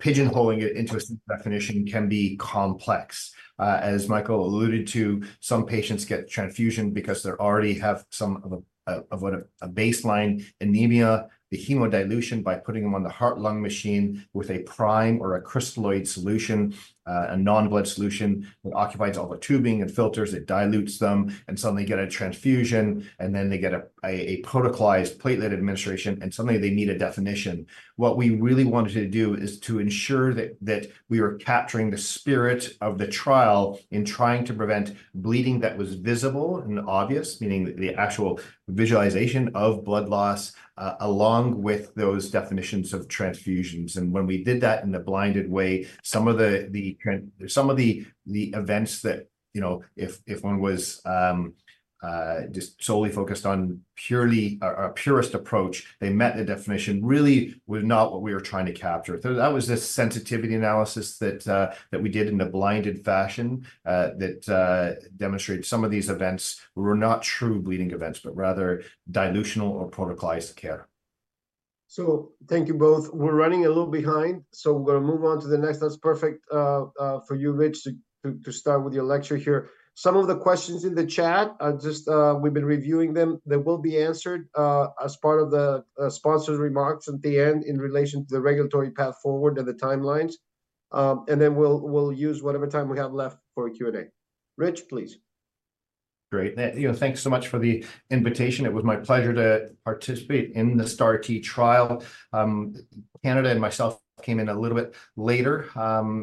pigeonholing it into a definition can be complex. As Michael alluded to, some patients get transfusion because they already have some a baseline anemia. The hemodilution, by putting them on the heart-lung machine with a prime or a crystalloid solution, a non-blood solution that occupies all the tubing and filters, it dilutes them, and suddenly get a transfusion, and then they get a protocolized platelet administration, and suddenly they need a definition. What we really wanted to do is to ensure that we were capturing the spirit of the trial in trying to prevent bleeding that was visible and obvious, meaning the actual visualization of blood loss, along with those definitions of transfusions. And when we did that in a blinded way, some of the events that, you know, if one was just solely focused on purely a purest approach, they met the definition, really was not what we were trying to capture. Though that was the sensitivity analysis that we did in a blinded fashion, that demonstrated some of these events were not true bleeding events, but rather dilutional or protocolized care. Thank you both. We're running a little behind, so we're gonna move on to the next. That's perfect for you, Rich, to start with your lecture here. Some of the questions in the chat are just we've been reviewing them. They will be answered as part of the sponsor's remarks at the end in relation to the regulatory path forward and the timelines. And then we'll use whatever time we have left for a Q&A. Rich, please. Great. Thanks, you know, thanks so much for the invitation. It was my pleasure to participate in the STAR-T trial. Canada and myself came in a little bit later.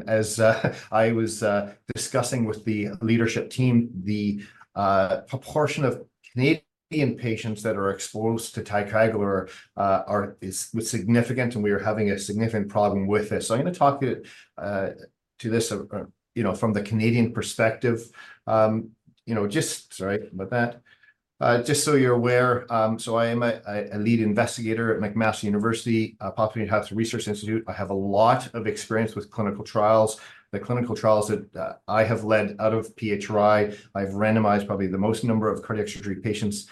As I was discussing with the leadership team, the proportion of Canadian patients that are exposed to ticagrelor is significant, and we are having a significant problem with this. So I'm gonna talk to this, you know, from the Canadian perspective. You know, just. Sorry about that. Just so you're aware, so I am a lead investigator at McMaster University, Population Health Research Institute. I have a lot of experience with clinical trials. The clinical trials that I have led out of PHRI, I've randomized probably the most number of cardiac surgery patients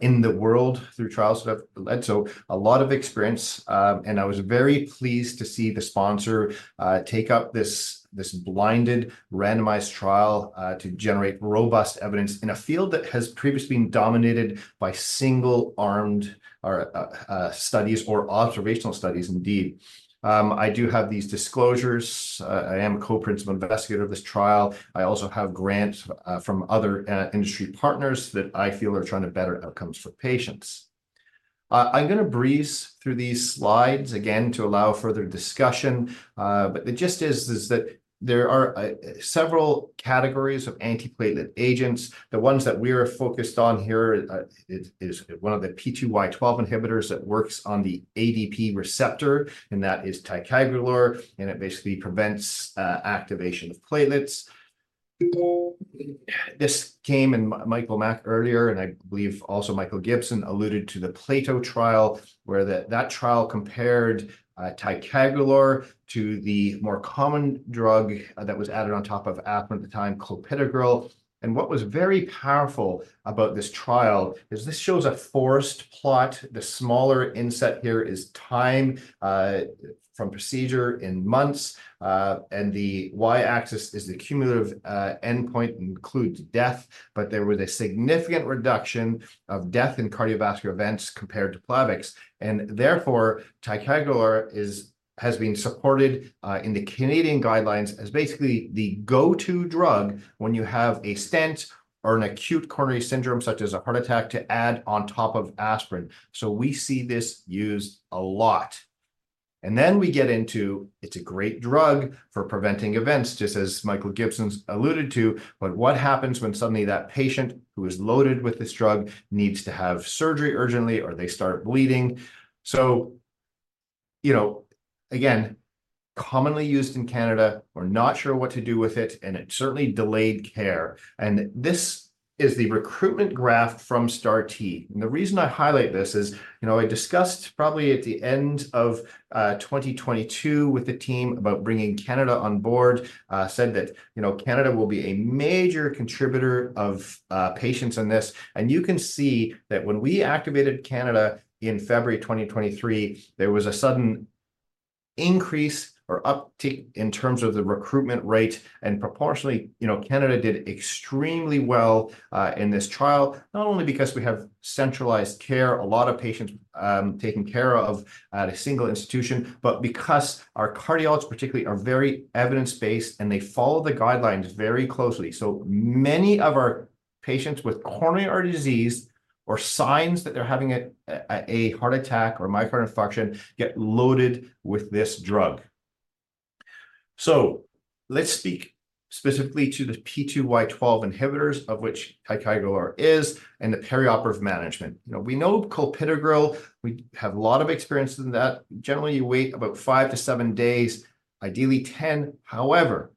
in the world through trials that I've led, so a lot of experience. I was very pleased to see the sponsor take up this, this blinded randomized trial to generate robust evidence in a field that has previously been dominated by single-armed or studies or observational studies indeed. I do have these disclosures. I am a co-principal investigator of this trial. I also have grants from other industry partners that I feel are trying to better outcomes for patients. I'm gonna breeze through these slides again to allow further discussion. The gist is that there are several categories of antiplatelet agents. The ones that we are focused on here is one of the P2Y12 inhibitors that works on the ADP receptor, and that is ticagrelor, and it basically prevents activation of platelets. This came, and Michael Mack earlier, and I believe also Michael Gibson, alluded to the PLATO trial, where that trial compared ticagrelor to the more common drug that was added on top of aspirin at the time, clopidogrel. And what was very powerful about this trial is this shows a forest plot. The smaller inset here is time from procedure in months, and the Y-axis is the cumulative endpoint, includes death. But there was a significant reduction of death in cardiovascular events compared to Plavix, and therefore, ticagrelor is- has been supported in the Canadian guidelines as basically the go-to drug when you have a stent or an acute coronary syndrome, such as a heart attack, to add on top of aspirin. So we see this used a lot. And then we get into, it's a great drug for preventing events, just as Michael Gibson's alluded to. But what happens when suddenly that patient, who is loaded with this drug, needs to have surgery urgently, or they start bleeding? So, you know, again, commonly used in Canada, we're not sure what to do with it, and it certainly delayed care. And this is the recruitment graph from STAR-T. The reason I highlight this is, you know, I discussed probably at the end of 2022 with the team about bringing Canada on board, said that, you know, Canada will be a major contributor of patients in this. You can see that when we activated Canada in February 2023, there was a sudden increase or uptick in terms of the recruitment rate. Proportionally, you know, Canada did extremely well in this trial, not only because we have centralized care, a lot of patients taken care of at a single institution, but because our cardiologists particularly are very evidence-based, and they follow the guidelines very closely. Many of our patients with coronary artery disease or signs that they're having a heart attack or myocardial infarction get loaded with this drug. So let's speak specifically to the P2Y12 inhibitors, of which ticagrelor is, and the perioperative management. You know, we know clopidogrel. We have a lot of experience in that. Generally, you wait about 5-7 days, ideally 10. However,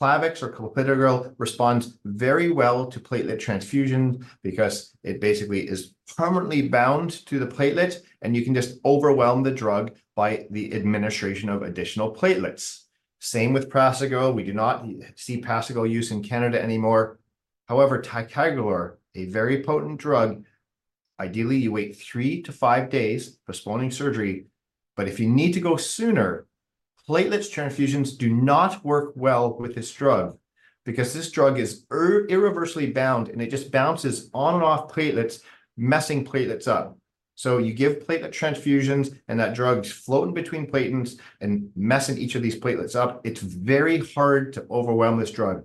Plavix or clopidogrel responds very well to platelet transfusions because it basically is permanently bound to the platelet, and you can just overwhelm the drug by the administration of additional platelets. Same with prasugrel. We do not see prasugrel use in Canada anymore. However, ticagrelor, a very potent drug, ideally you wait 3-5 days, postponing surgery, but if you need to go sooner, platelets transfusions do not work well with this drug because this drug is irreversibly bound, and it just bounces on and off platelets, messing platelets up. So you give platelet transfusions, and that drug's floating between platelets and messing each of these platelets up. It's very hard to overwhelm this drug.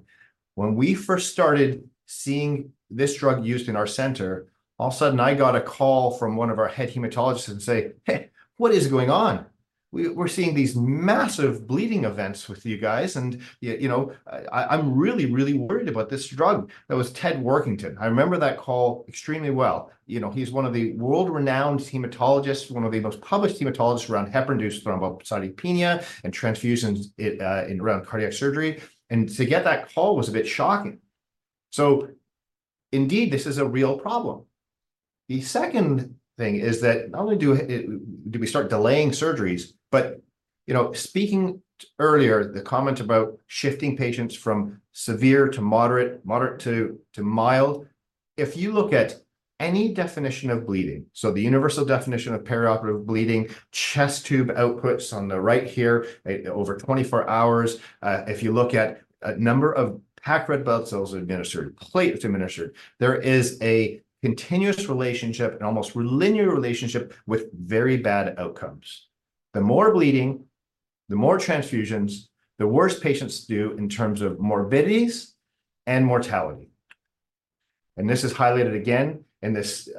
When we first started seeing this drug used in our center, all of a sudden I got a call from one of our head hematologists and say, "Hey, what is going on? We're seeing these massive bleeding events with you guys, and you know, I, I'm really, really worried about this drug." That was Theodore Warkentin. I remember that call extremely well. You know, he's one of the world-renowned hematologists, one of the most published hematologists around heparin-induced thrombocytopenia and transfusions around cardiac surgery, and to get that call was a bit shocking. So indeed, this is a real problem. The second thing is that not only do we start delaying surgeries, but you know, speaking earlier, the comment about shifting patients from severe to moderate, moderate to mild. If you look at any definition of bleeding, so the Universal Definition of Perioperative Bleeding, chest tube outputs on the right here, over 24 hours. If you look at a number of packed red blood cells administered, platelets administered, there is a continuous relationship, an almost linear relationship with very bad outcomes. The more bleeding, the more transfusions, the worse patients do in terms of morbidities and mortality. And this is highlighted again in this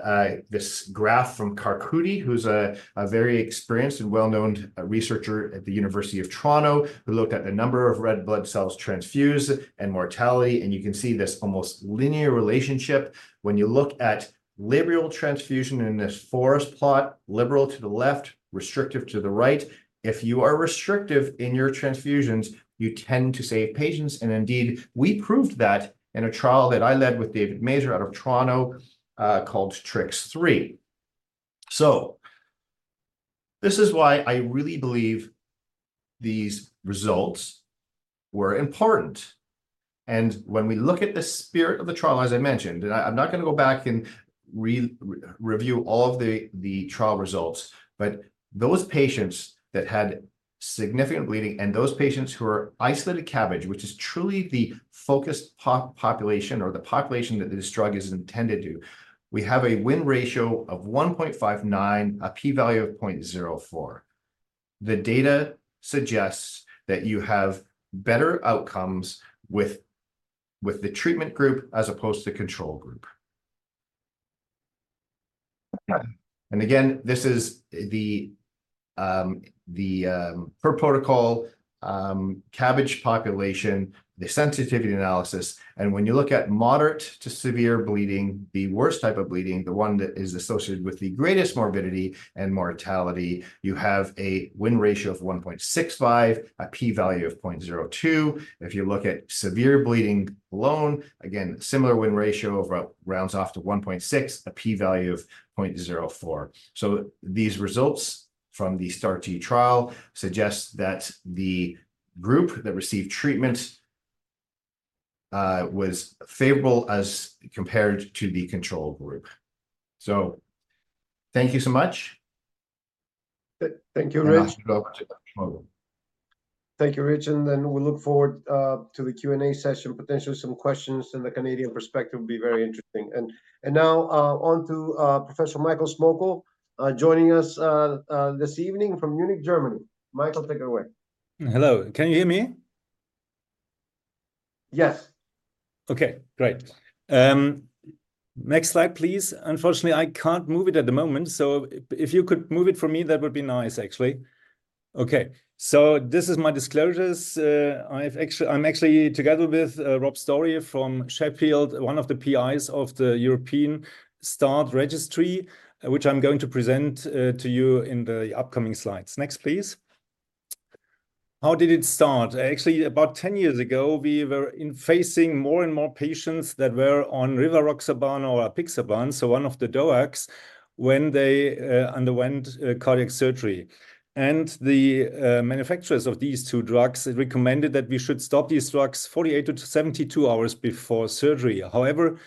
graph from Karkouti, who's a very experienced and well-known researcher at the University of Toronto, who looked at the number of red blood cells transfused and mortality, and you can see this almost linear relationship. When you look at liberal transfusion in this forest plot, liberal to the left, restrictive to the right. If you are restrictive in your transfusions, you tend to save patients, and indeed, we proved that in a trial that I led with David Mazer out of Toronto, called TRICS-3. So this is why I really believe these results were important, and when we look at the spirit of the trial, as I mentioned, and I, I'm not gonna go back and review all of the, the trial results, but those patients that had significant bleeding and those patients who are isolated CABG, which is truly the focused population or the population that this drug is intended to, we have a win ratio of 1.59, a p-value of 0.04. The data suggests that you have better outcomes with, with the treatment group as opposed to control group. And again, this is the per protocol CABG population, the sensitivity analysis, and when you look at moderate to severe bleeding, the worst type of bleeding, the one that is associated with the greatest morbidity and mortality, you have a win ratio of 1.65, a p-value of 0.02. If you look at severe bleeding alone, again, similar win ratio of around rounds off to 1.6, a p-value of 0.04. So these results from the STAR-T trial suggest that the group that received treatment was favorable as compared to the control group. So thank you so much. Thank you, Rich. I'll pass it over to Dr. Schmoeckel. Thank you, Rich, and then we look forward to the Q&A session. Potentially some questions in the Canadian perspective will be very interesting. Now, on to Professor Michael Schmoeckel, joining us this evening from Munich, Germany. Michael, take it away. Hello. Can you hear me? Yes. Okay, great. Next slide, please. Unfortunately, I can't move it at the moment, so if you could move it for me, that would be nice, actually. Okay, so this is my disclosures. I've actually- I'm actually together with Rob Storey from Sheffield, one of the PIs of the European STAR Registry, which I'm going to present to you in the upcoming slides. Next, please. How did it start? Actually, about 10 years ago, we were facing more and more patients that were on rivaroxaban or apixaban, so one of the DOACs, when they underwent cardiac surgery. And the manufacturers of these two drugs recommended that we should stop these drugs 48-72 hours before surgery. However,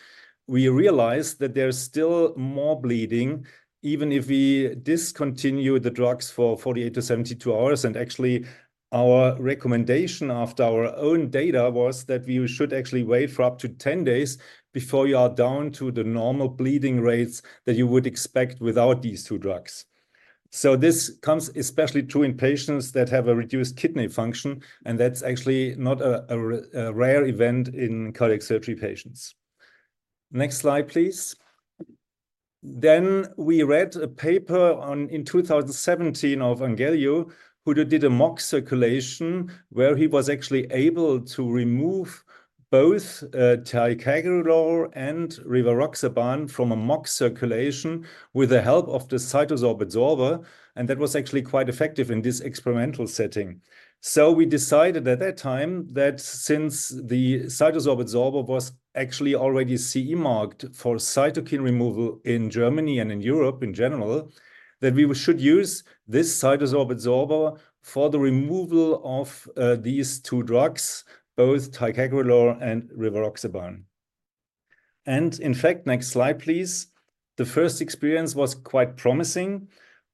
we realized that there's still more bleeding, even if we discontinue the drugs for 48-72 hours, and actually, our recommendation after our own data was that we should actually wait for up to 10 days before you are down to the normal bleeding rates that you would expect without these two drugs. So this comes especially true in patients that have a reduced kidney function, and that's actually not a rare event in cardiac surgery patients. Next slide, please. Then we read a paper on, in 2017 of Angheloiu, who did a mock circulation, where he was actually able to remove both ticagrelor and rivaroxaban from a mock circulation with the help of the CytoSorb adsorber, and that was actually quite effective in this experimental setting. So we decided at that time that since the CytoSorb adsorber was actually already CE marked for cytokine removal in Germany and in Europe in general, that we should use this CytoSorb adsorber for the removal of these two drugs, both ticagrelor and rivaroxaban. And in fact, next slide, please. The first experience was quite promising.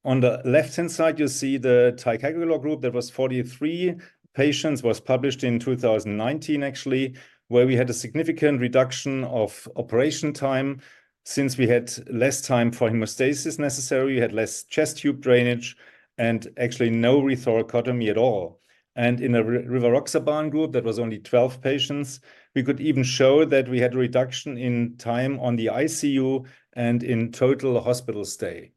On the left-hand side, you see the ticagrelor group. There was 43 patients, was published in 2019, actually, where we had a significant reduction of operation time since we had less time for hemostasis necessary. We had less chest tube drainage and actually no re-thoracotomy at all. And in the rivaroxaban group, that was only 12 patients, we could even show that we had a reduction in time on the ICU and in total hospital stay.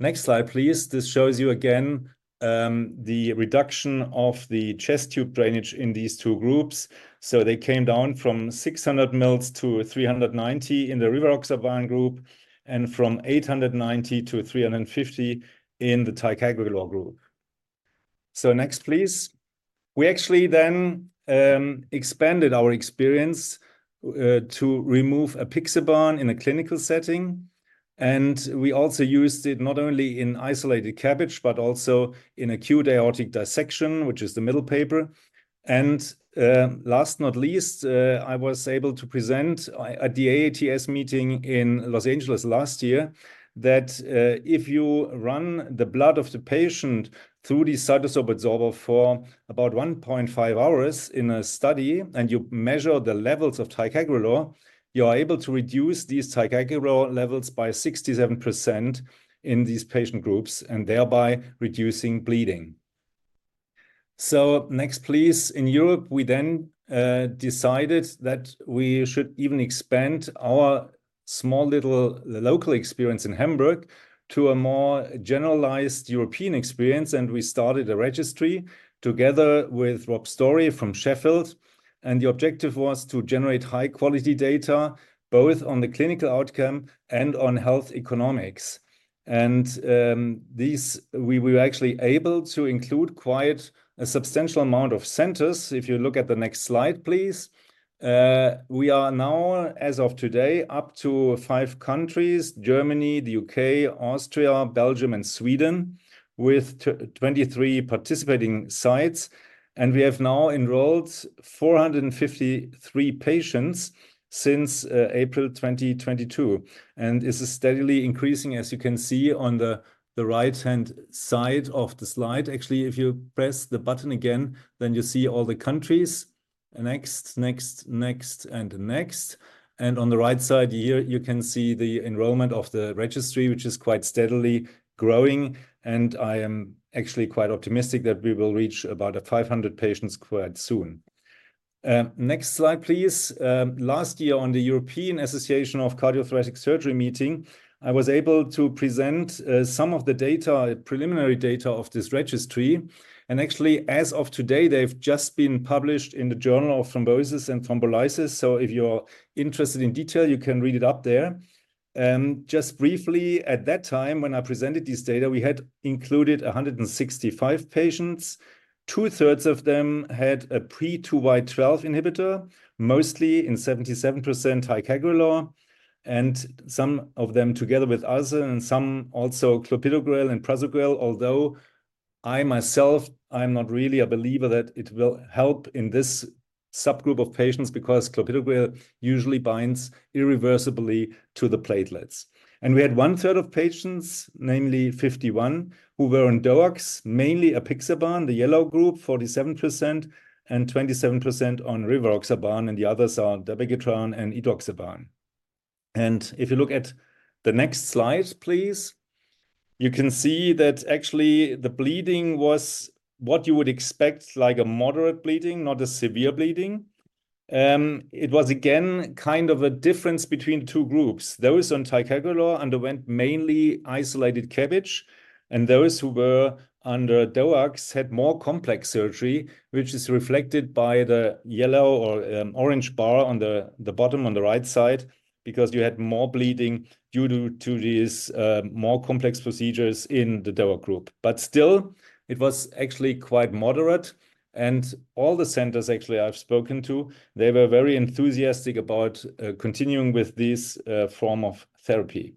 Next slide, please. This shows you again, the reduction of the chest tube drainage in these two groups. So they came down from 600 mL to 390 mL in the rivaroxaban group, and from 890 mL to 350 mL in the ticagrelor group. So next, please. We actually then, expanded our experience, to remove apixaban in a clinical setting, and we also used it not only in isolated CABG, but also in acute aortic dissection, which is the middle paper. Last not least, I was able to present at the AATS meeting in Los Angeles last year, that if you run the blood of the patient through the CytoSorb adsorber for about 1.5 hours in a study, and you measure the levels of ticagrelor, you are able to reduce these ticagrelor levels by 67% in these patient groups, and thereby reducing bleeding. So next, please. In Europe, we then decided that we should even expand our small, little local experience in Hamburg to a more generalized European experience, and we started a registry together with Rob Storey from Sheffield. The objective was to generate high-quality data, both on the clinical outcome and on health economics. We were actually able to include quite a substantial amount of centers. If you look at the next slide, please. We are now, as of today, up to five countries, Germany, the U.K., Austria, Belgium, and Sweden, with twenty-three participating sites. And we have now enrolled 453 patients since April 2022, and this is steadily increasing, as you can see on the right-hand side of the slide. Actually, if you press the button again, then you see all the countries. Next, next, next, and next. And on the right side here, you can see the enrollment of the registry, which is quite steadily growing, and I am actually quite optimistic that we will reach about 500 patients quite soon. Next slide, please. Last year, on the European Association of Cardiothoracic Surgery meeting, I was able to present some of the data, preliminary data of this registry. And actually, as of today, they've just been published in the Journal of Thrombosis and Thrombolysis. So if you're interested in detail, you can read it up there. Just briefly, at that time, when I presented this data, we had included 165 patients. Two-thirds of them had a P2Y12 inhibitor, mostly in 77% ticagrelor, and some of them together with others, and some also clopidogrel and prasugrel. Although I myself, I'm not really a believer that it will help in this subgroup of patients, because clopidogrel usually binds irreversibly to the platelets. And we had one-third of patients, namely 51, who were on DOACs, mainly apixaban, the yellow group, 47%, and 27% on rivaroxaban, and the others are dabigatran and edoxaban. If you look at the next slide, please, you can see that actually the bleeding was what you would expect, like a moderate bleeding, not a severe bleeding. It was again, kind of a difference between two groups. Those on ticagrelor underwent mainly isolated CABG, and those who were under DOACs had more complex surgery, which is reflected by the yellow or orange bar on the bottom, on the right side, because you had more bleeding due to these more complex procedures in the DOAC group. But still, it was actually quite moderate, and all the centers actually I've spoken to, they were very enthusiastic about continuing with this form of therapy.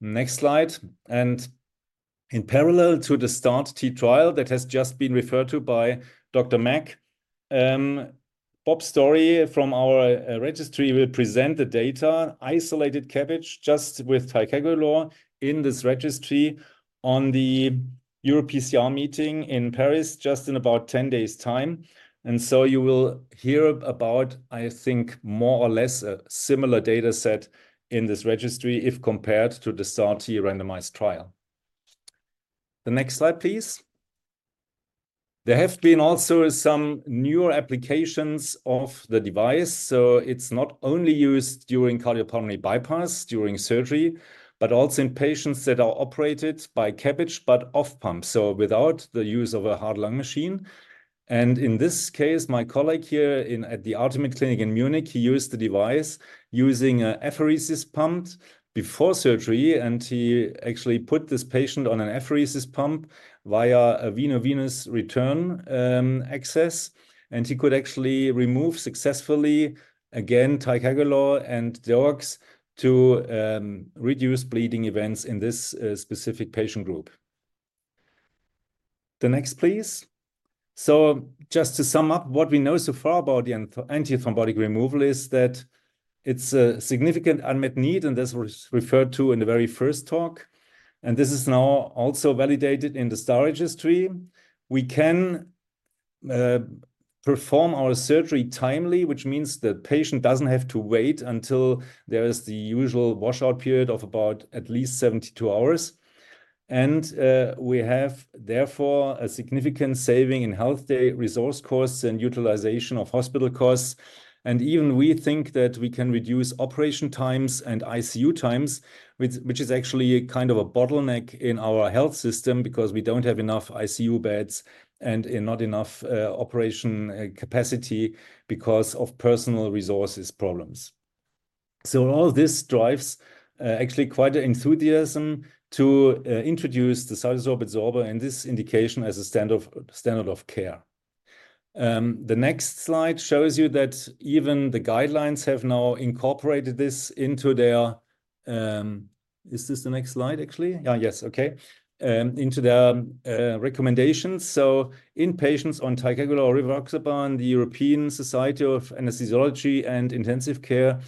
Next slide. In parallel to the START-T trial that has just been referred to by Dr. Mack, Rob Storey from our registry will present the data, isolated CABG, just with ticagrelor in this registry on the EuroPCR meeting in Paris, just in about 10 days' time. And so you will hear about, I think, more or less a similar data set in this registry if compared to the STAR-T randomized trial. The next slide, please. There have been also some newer applications of the device. So it's not only used during cardiopulmonary bypass, during surgery, but also in patients that are operated by CABG, but off pump, so without the use of a heart-lung machine. And in this case, my colleague here in, at the Artemed Klinikum in Munich, he used the device using an apheresis pump before surgery, and he actually put this patient on an apheresis pump via a veno-venous return access. He could actually remove successfully, again, ticagrelor and DOACs to reduce bleeding events in this specific patient group. The next, please. So just to sum up, what we know so far about the antithrombotic removal is that it's a significant unmet need, and this was referred to in the very first talk, and this is now also validated in the STAR Registry. We can perform our surgery timely, which means the patient doesn't have to wait until there is the usual washout period of about at least 72 hours. We have, therefore, a significant saving in health day resource costs and utilization of hospital costs. And even we think that we can reduce operation times and ICU times, which is actually a kind of a bottleneck in our health system because we don't have enough ICU beds and not enough operation capacity because of personnel resources problems. So all this drives actually quite an enthusiasm to introduce the CytoSorb adsorber and this indication as a standard of care. The next slide shows you that even the guidelines have now incorporated this into their. Is this the next slide, actually? Yeah. Yes. Okay. Into their recommendations. So in patients on ticagrelor or rivaroxaban, the European Society of Anaesthesiology and Intensive Care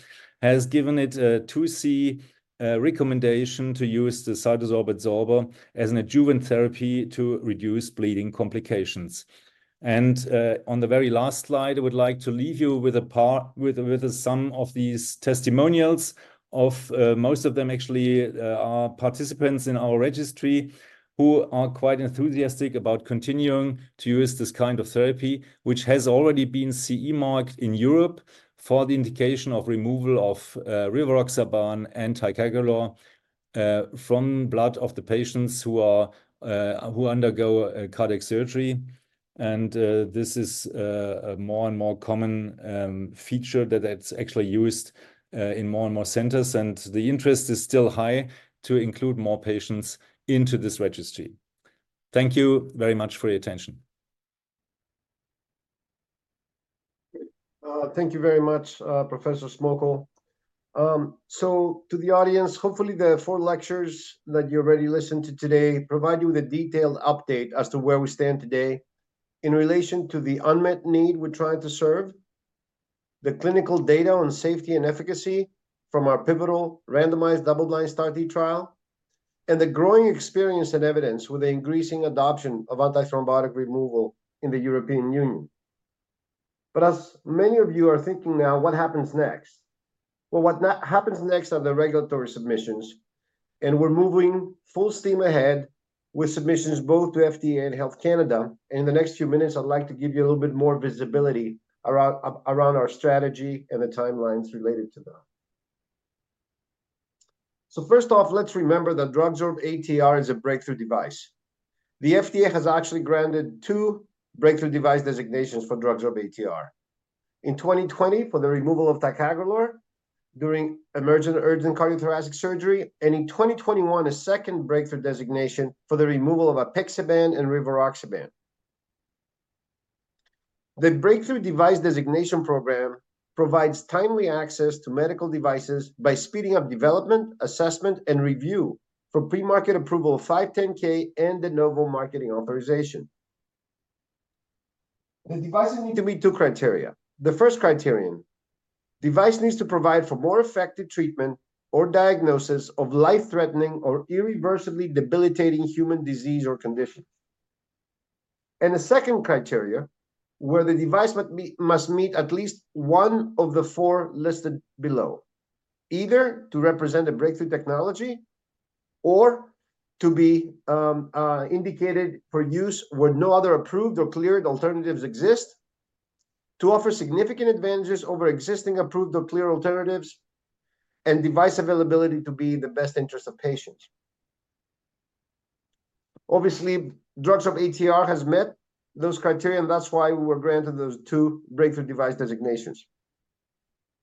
has given it a 2C recommendation to use the CytoSorb adsorber as an adjuvant therapy to reduce bleeding complications. On the very last slide, I would like to leave you with some of these testimonials of, most of them actually, are participants in our registry, who are quite enthusiastic about continuing to use this kind of therapy, which has already been CE marked in Europe for the indication of removal of rivaroxaban and ticagrelor from blood of the patients who are who undergo a cardiac surgery. This is a more and more common feature that it's actually used in more and more centers, and the interest is still high to include more patients into this registry. Thank you very much for your attention. Thank you very much, Professor Schmoeckel. So to the audience, hopefully, the four lectures that you already listened to today provide you with a detailed update as to where we stand today in relation to the unmet need we're trying to serve, the clinical data on safety and efficacy from our pivotal randomized double-blind STAR-T trial, and the growing experience and evidence with the increasing adoption of antithrombotic removal in the European Union. But as many of you are thinking now, what happens next? Well, what happens next are the regulatory submissions, and we're moving full steam ahead with submissions both to FDA and Health Canada. In the next few minutes, I'd like to give you a little bit more visibility around our strategy and the timelines related to that. So first off, let's remember that DrugSorb-ATR is a breakthrough device. The FDA has actually granted 2 breakthrough device designations for DrugSorb-ATR. In 2020, for the removal of ticagrelor during emergent urgent cardiothoracic surgery, and in 2021, a second breakthrough designation for the removal of apixaban and rivaroxaban. The Breakthrough Device Designation Program provides timely access to medical devices by speeding up development, assessment, and review for pre-market approval of 510 and De Novo marketing authorization. The devices need to meet 2 criteria. The first criterion: device needs to provide for more effective treatment or diagnosis of life-threatening or irreversibly debilitating human disease or condition. The second criteria, where the device must meet at least one of the four listed below, either to represent a breakthrough technology or to be indicated for use where no other approved or cleared alternatives exist, to offer significant advantages over existing approved or cleared alternatives, and device availability to be in the best interest of patients. Obviously, DrugSorb-ATR has met those criteria, and that's why we were granted those two breakthrough device designations.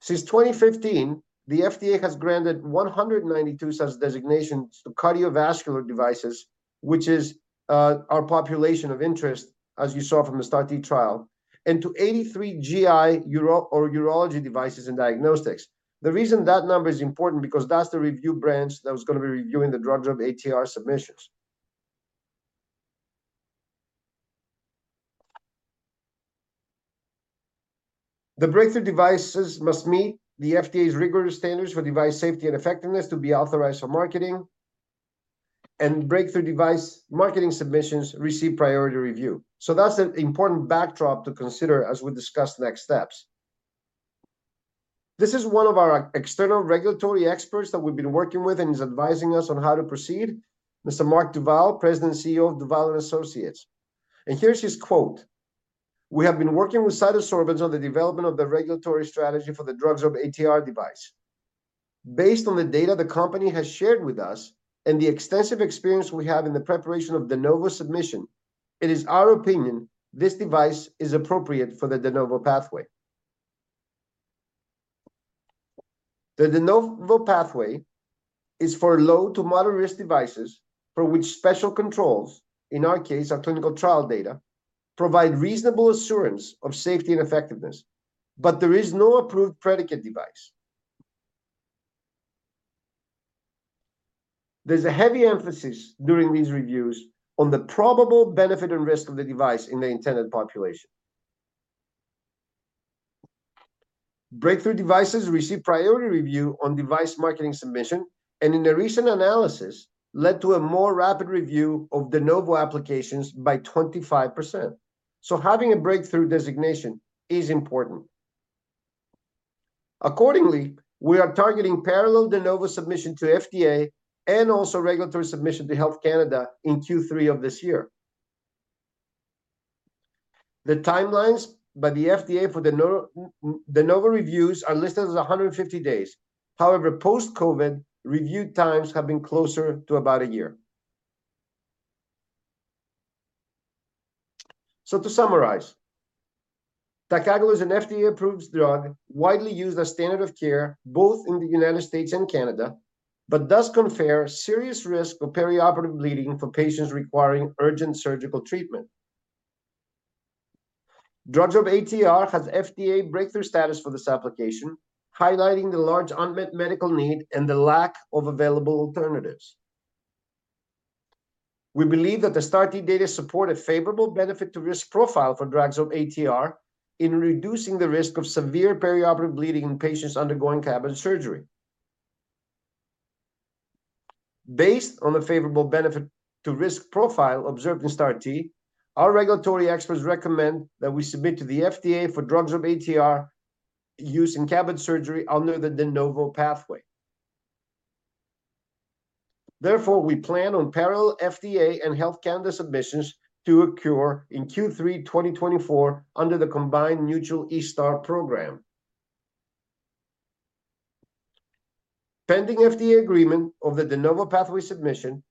Since 2015, the FDA has granted 192 such designations to cardiovascular devices, which is our population of interest, as you saw from the STAR-T trial, and to 83 GI, uro- or urology devices and diagnostics. The reason that number is important, because that's the review branch that was gonna be reviewing the DrugSorb-ATR submissions. The breakthrough devices must meet the FDA's rigorous standards for device safety and effectiveness to be authorized for marketing, and breakthrough device marketing submissions receive priority review. So that's an important backdrop to consider as we discuss the next steps. This is one of our external regulatory experts that we've been working with and is advising us on how to proceed, Mr. Mark DuVal, President and CEO of DuVal & Associates. Here's his quote: "We have been working with CytoSorbents on the development of the regulatory strategy for the DrugSorb-ATR device based on the data the company has shared with us and the extensive experience we have in the preparation of De Novo submission, it is our opinion this device is appropriate for the De Novo pathway. The De Novo pathway is for low to moderate-risk devices for which special controls, in our case, our clinical trial data, provide reasonable assurance of safety and effectiveness, but there is no approved predicate device. There's a heavy emphasis during these reviews on the probable benefit and risk of the device in the intended population. Breakthrough devices receive priority review on device marketing submission, and in the recent analysis, led to a more rapid review of De Novo applications by 25%. So having a breakthrough designation is important. Accordingly, we are targeting parallel De Novo submission to FDA and also regulatory submission to Health Canada in Q3 of this year. The timelines by the FDA for the De Novo reviews are listed as 150 days. However, post-COVID, review times have been closer to about a year. So to summarize, ticagrelor is an FDA-approved drug, widely used as standard of care, both in the United States and Canada, but does confer serious risk of perioperative bleeding for patients requiring urgent surgical treatment. DrugSorb-ATR has FDA breakthrough status for this application, highlighting the large unmet medical need and the lack of available alternatives. We believe that the STAR-T data support a favorable benefit to risk profile for DrugSorb-ATR in reducing the risk of severe perioperative bleeding in patients undergoing CABG surgery. Based on the favorable benefit to risk profile observed in STAR-T, our regulatory experts recommend that we submit to the FDA for DrugSorb-ATR use in CABG surgery under the De Novo pathway. Therefore, we plan on parallel FDA and Health Canada submissions to occur in Q3 2024 under the combined Mutual eSTAR program. Pending FDA agreement of the De Novo pathway submission,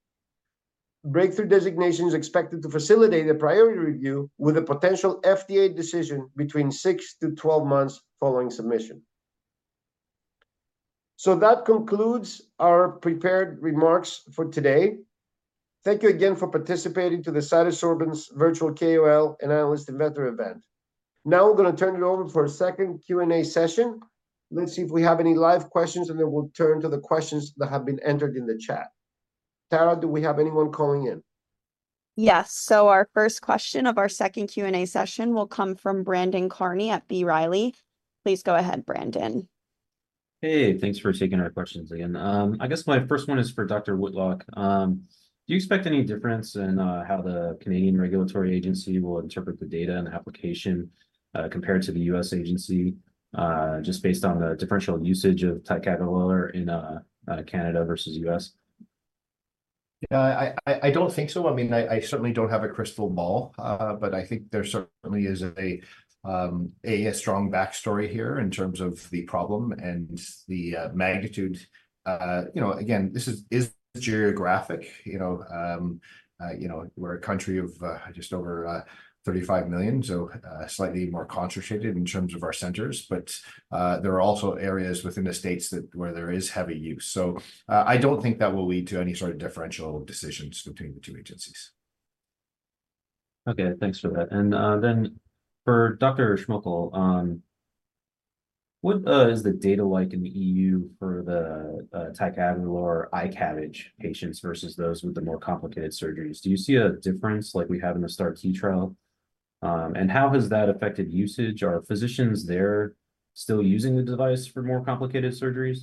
breakthrough designation is expected to facilitate a priority review, with a potential FDA decision between 6-12 months following submission. So that concludes our prepared remarks for today. Thank you again for participating to the CytoSorbents virtual KOL and Analyst Investor event. Now we're gonna turn it over for a second Q&A session. Let's see if we have any live questions, and then we'll turn to the questions that have been entered in the chat. Tara, do we have anyone calling in? Yes. So our first question of our second Q&A session will come from Brandon Carney at B. Riley. Please go ahead, Brandon. Hey, thanks for taking our questions again. I guess my first one is for Dr. Whitlock. Do you expect any difference in how the Canadian regulatory agency will interpret the data and the application, compared to the US agency, just based on the differential usage of ticagrelor in Canada versus US? Yeah, I don't think so. I mean, I certainly don't have a crystal ball, but I think there certainly is a strong backstory here in terms of the problem and the magnitude. You know, again, this is geographic, you know, we're a country of just over 35 million, so, slightly more concentrated in terms of our centers, but there are also areas within the States that where there is heavy use. So, I don't think that will lead to any sort of differential decisions between the two agencies. Okay, thanks for that. And then for Dr. Schmoeckel, what is the data like in the EU for the ticagrelor iCABG patients versus those with the more complicated surgeries? Do you see a difference like we have in the STAR-T trial? And how has that affected usage? Are physicians there still using the device for more complicated surgeries?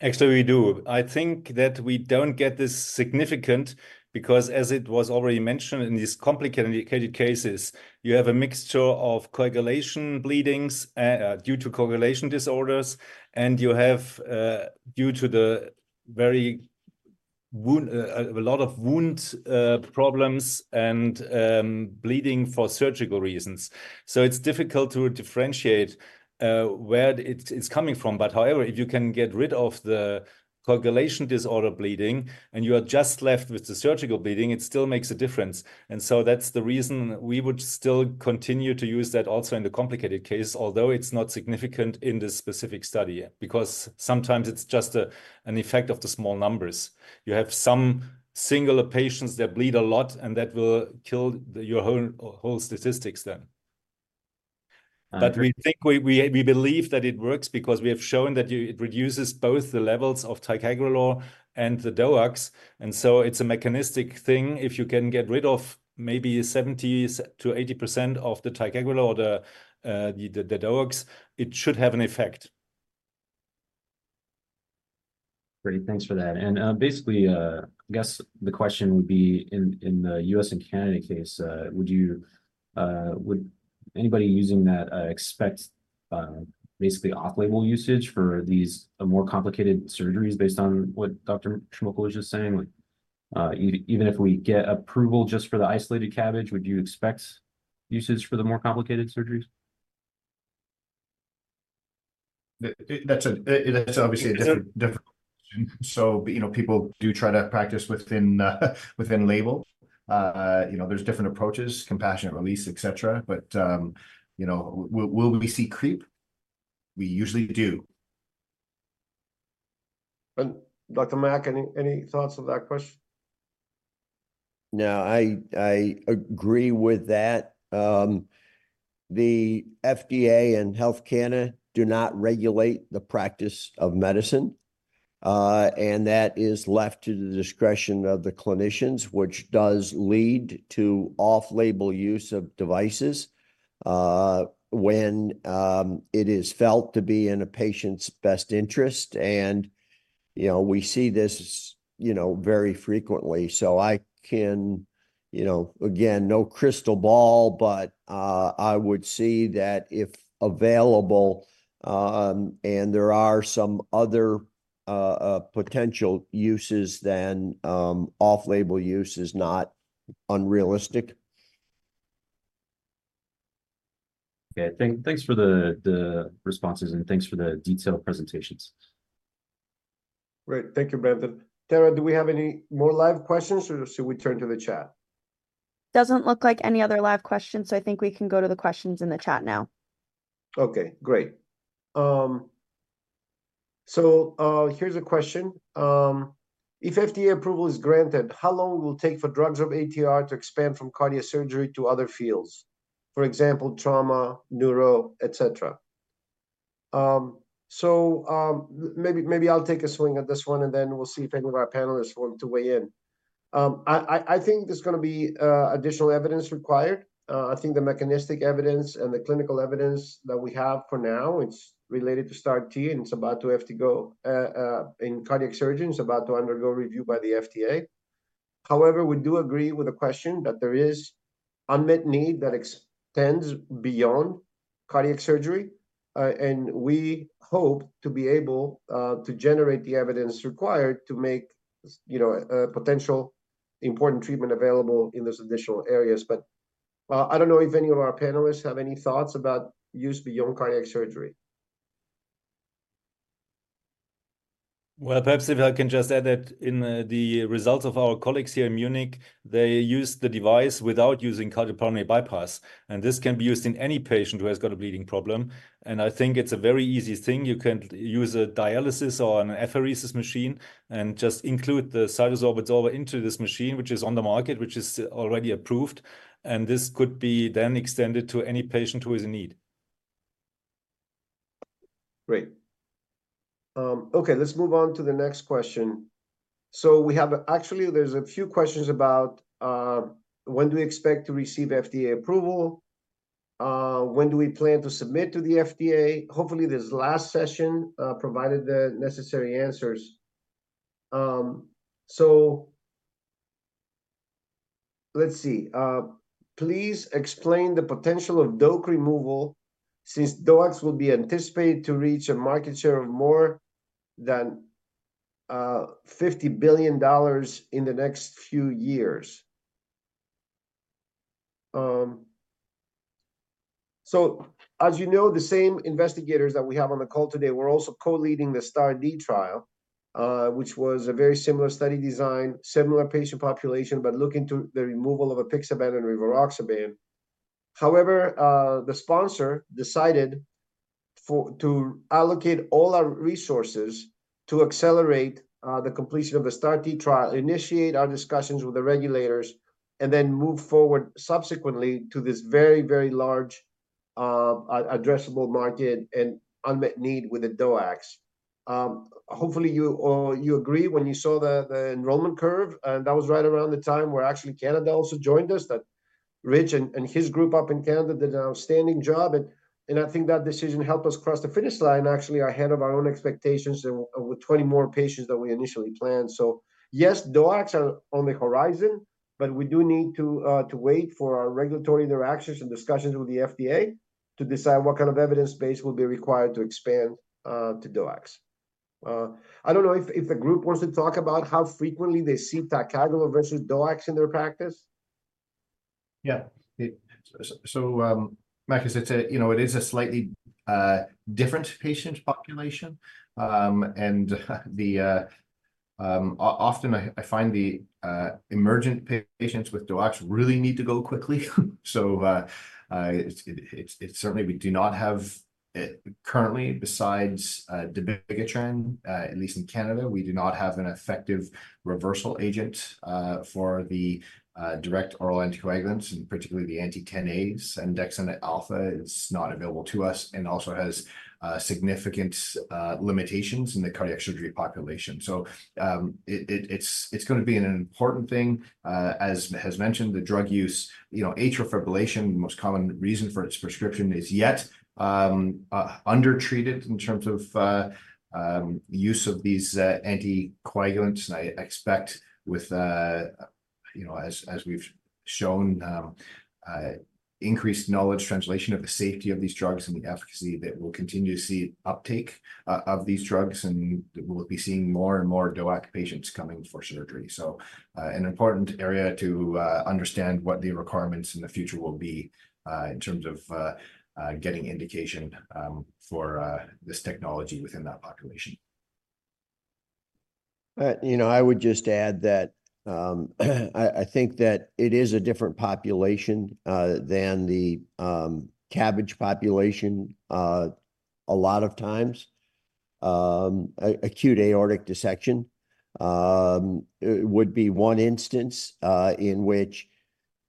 Actually, we do. I think that we don't get this significant because, as it was already mentioned, in these complicated cases, you have a mixture of coagulation bleedings due to coagulation disorders, and you have due to the very wound a lot of wound problems and bleeding for surgical reasons. So it's difficult to differentiate where it's coming from. But however, if you can get rid of the coagulation disorder bleeding, and you are just left with the surgical bleeding, it still makes a difference. And so that's the reason we would still continue to use that also in the complicated case, although it's not significant in this specific study, because sometimes it's just an effect of the small numbers. You have some singular patients that bleed a lot, and that will kill your whole statistics then. Under But we think we believe that it works because we have shown that it reduces both the levels of ticagrelor and the DOACs, and so it's a mechanistic thing. If you can get rid of maybe 70%-80% of the ticagrelor or the DOACs, it should have an effect. Great, thanks for that. And, basically, I guess the question would be, in the US and Canada case, would anybody using that expect basically off-label usage for these more complicated surgeries based on what Dr. Schmoeckel was just saying? Even if we get approval just for the isolated CABG, would you expect usage for the more complicated surgeries? That's obviously a different. So, but, you know, people do try to practice within label. You know, there's different approaches, compassionate release, et cetera. But, you know, will we see creep? We usually do. Dr. Mack, any thoughts on that question? No, I, I agree with that. The FDA and Health Canada do not regulate the practice of medicine, and that is left to the discretion of the clinicians, which does lead to off-label use of devices, when it is felt to be in a patient's best interest. And, you know, we see this, you know, very frequently. So I can. You know, again, no crystal ball, but I would see that if available, and there are some other potential uses, then off-label use is not unrealistic. Okay. Thanks for the responses, and thanks for the detailed presentations. Great. Thank you, Brandon. Tara, do we have any more live questions, or should we turn to the chat? Doesn't look like any other live questions, so I think we can go to the questions in the chat now. Okay, great. So, here's a question. If FDA approval is granted, how long will it take for DrugSorb-ATR to expand from cardiac surgery to other fields, for example, trauma, neuro, et cetera? So, maybe I'll take a swing at this one, and then we'll see if any of our panelists want to weigh in. I think there's gonna be additional evidence required. I think the mechanistic evidence and the clinical evidence that we have for now, it's related to STAR-T And it's about to have to go in cardiac surgery, it's about to undergo review by the FDA. However, we do agree with the question that there is unmet need that extends beyond cardiac surgery, and we hope to be able to generate the evidence required to make, you know, a, a potential important treatment available in those additional areas. But, well, I don't know if any of our panelists have any thoughts about use beyond cardiac surgery. Well, perhaps if I can just add that in, the results of our colleagues here in Munich, they used the device without using cardiopulmonary bypass, and this can be used in any patient who has got a bleeding problem. I think it's a very easy thing. You can use a dialysis or an apheresis machine and just include the CytoSorb over into this machine, which is on the market, which is already approved, and this could be then extended to any patient who is in need. Great. Okay, let's move on to the next question. So we have, actually, there's a few questions about when do we expect to receive FDA approval? When do we plan to submit to the FDA? Hopefully, this last session provided the necessary answers. So let's see. Please explain the potential of DOAC removal since DOACs will be anticipated to reach a market share of more than $50 billion in the next few years. So as you know, the same investigators that we have on the call today were also co-leading the STAR-D trial, which was a very similar study design, similar patient population, but looking to the removal of apixaban and rivaroxaban. However, the sponsor decided for, to allocate all our resources to accelerate, the completion of the STAR-D trial, initiate our discussions with the regulators, and then move forward subsequently to this very, very large, addressable market and unmet need with the DOACs. Hopefully, you all, you agree when you saw the, the enrollment curve, and that was right around the time where actually Canada also joined us, that Rich and, and his group up in Canada did an outstanding job, and, and I think that decision helped us cross the finish line actually ahead of our own expectations and with 20 more patients than we initially planned. So yes, DOACs are on the horizon, but we do need to wait for our regulatory interactions and discussions with the FDA to decide what kind of evidence base will be required to expand to DOACs. I don't know if the group wants to talk about how frequently they see ticagrelor versus DOACs in their practice. Yeah. So, Mack, as you said, you know, it is a slightly different patient population. And the often, I find the emergent patients with DOACs really need to go quickly. So, it's certainly we do not have currently, besides dabigatran, at least in Canada, we do not have an effective reversal agent for the direct oral anticoagulants, and particularly the anti-Xa's and andexanet alfa. It's not available to us and also has significant limitations in the cardiac surgery population. So, it's gonna be an important thing. As has mentioned, the drug use, you know, atrial fibrillation, the most common reason for its prescription, is yet undertreated in terms of use of these anticoagulants. And I expect with. you know, as, as we've shown, increased knowledge translation of the safety of these drugs and the efficacy, that we'll continue to see uptake, of these drugs, and we'll be seeing more and more DOAC patients coming for surgery. So, an important area to, understand what the requirements in the future will be, in terms of, getting indication, for, this technology within that population. You know, I would just add that, I think that it is a different population than the CABG population a lot of times. Acute aortic dissection would be one instance in which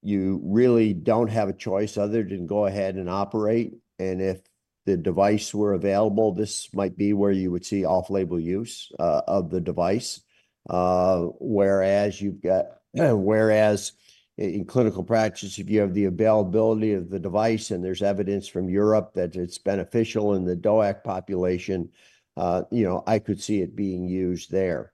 you really don't have a choice other than go ahead and operate, and if the device were available, this might be where you would see off-label use of the device. Whereas in clinical practice, if you have the availability of the device, and there's evidence from Europe that it's beneficial in the DOAC population, you know, I could see it being used there.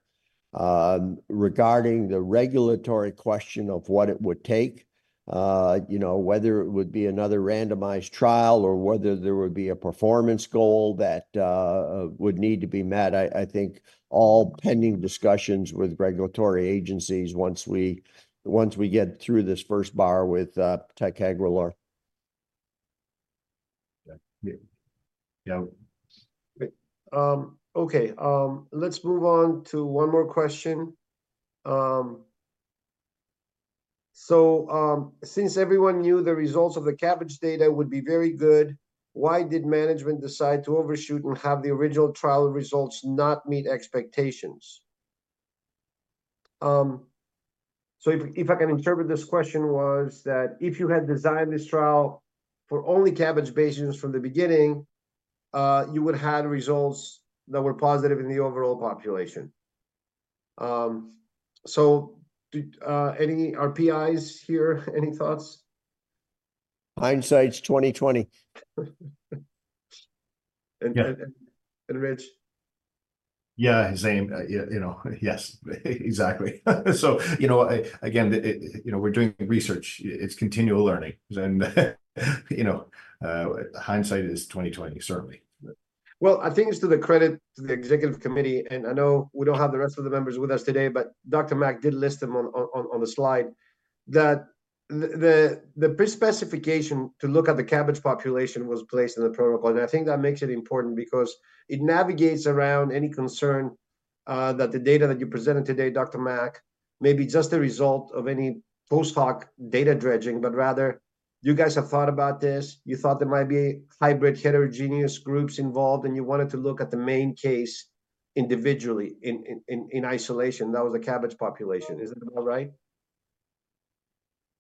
Regarding the regulatory question of what it would take, you know, whether it would be another randomized trial or whether there would be a performance goal that would need to be met, I think all pending discussions with regulatory agencies once we get through this first bar with ticagrelor. Yeah. Yeah. Okay, let's move on to one more question. So, since everyone knew the results of the CABG data would be very good, why did management decide to overshoot and have the original trial results not meet expectations? So if, if I can interpret this question was that if you had designed this trial for only CABG patients from the beginning, you would have had results that were positive in the overall population. So, did any, our PIs here, any thoughts? Hindsight's 2020. Rich? Yeah, same. You know, yes, exactly. So, you know, again, you know, we're doing research. It's continual learning, and you know, hindsight is 2020, certainly. Well, I think it's to the credit to the executive committee, and I know we don't have the rest of the members with us today, but Dr. Mack did list them on the slide, that the pre-specification to look at the CABG population was placed in the protocol. I think that makes it important because it navigates around any concern that the data that you presented today, Dr. Mack, may be just the result of any post hoc data dredging, but rather, you guys have thought about this, you thought there might be hybrid heterogeneous groups involved, and you wanted to look at the main case individually, in isolation. That was the CABG population. Is that about right?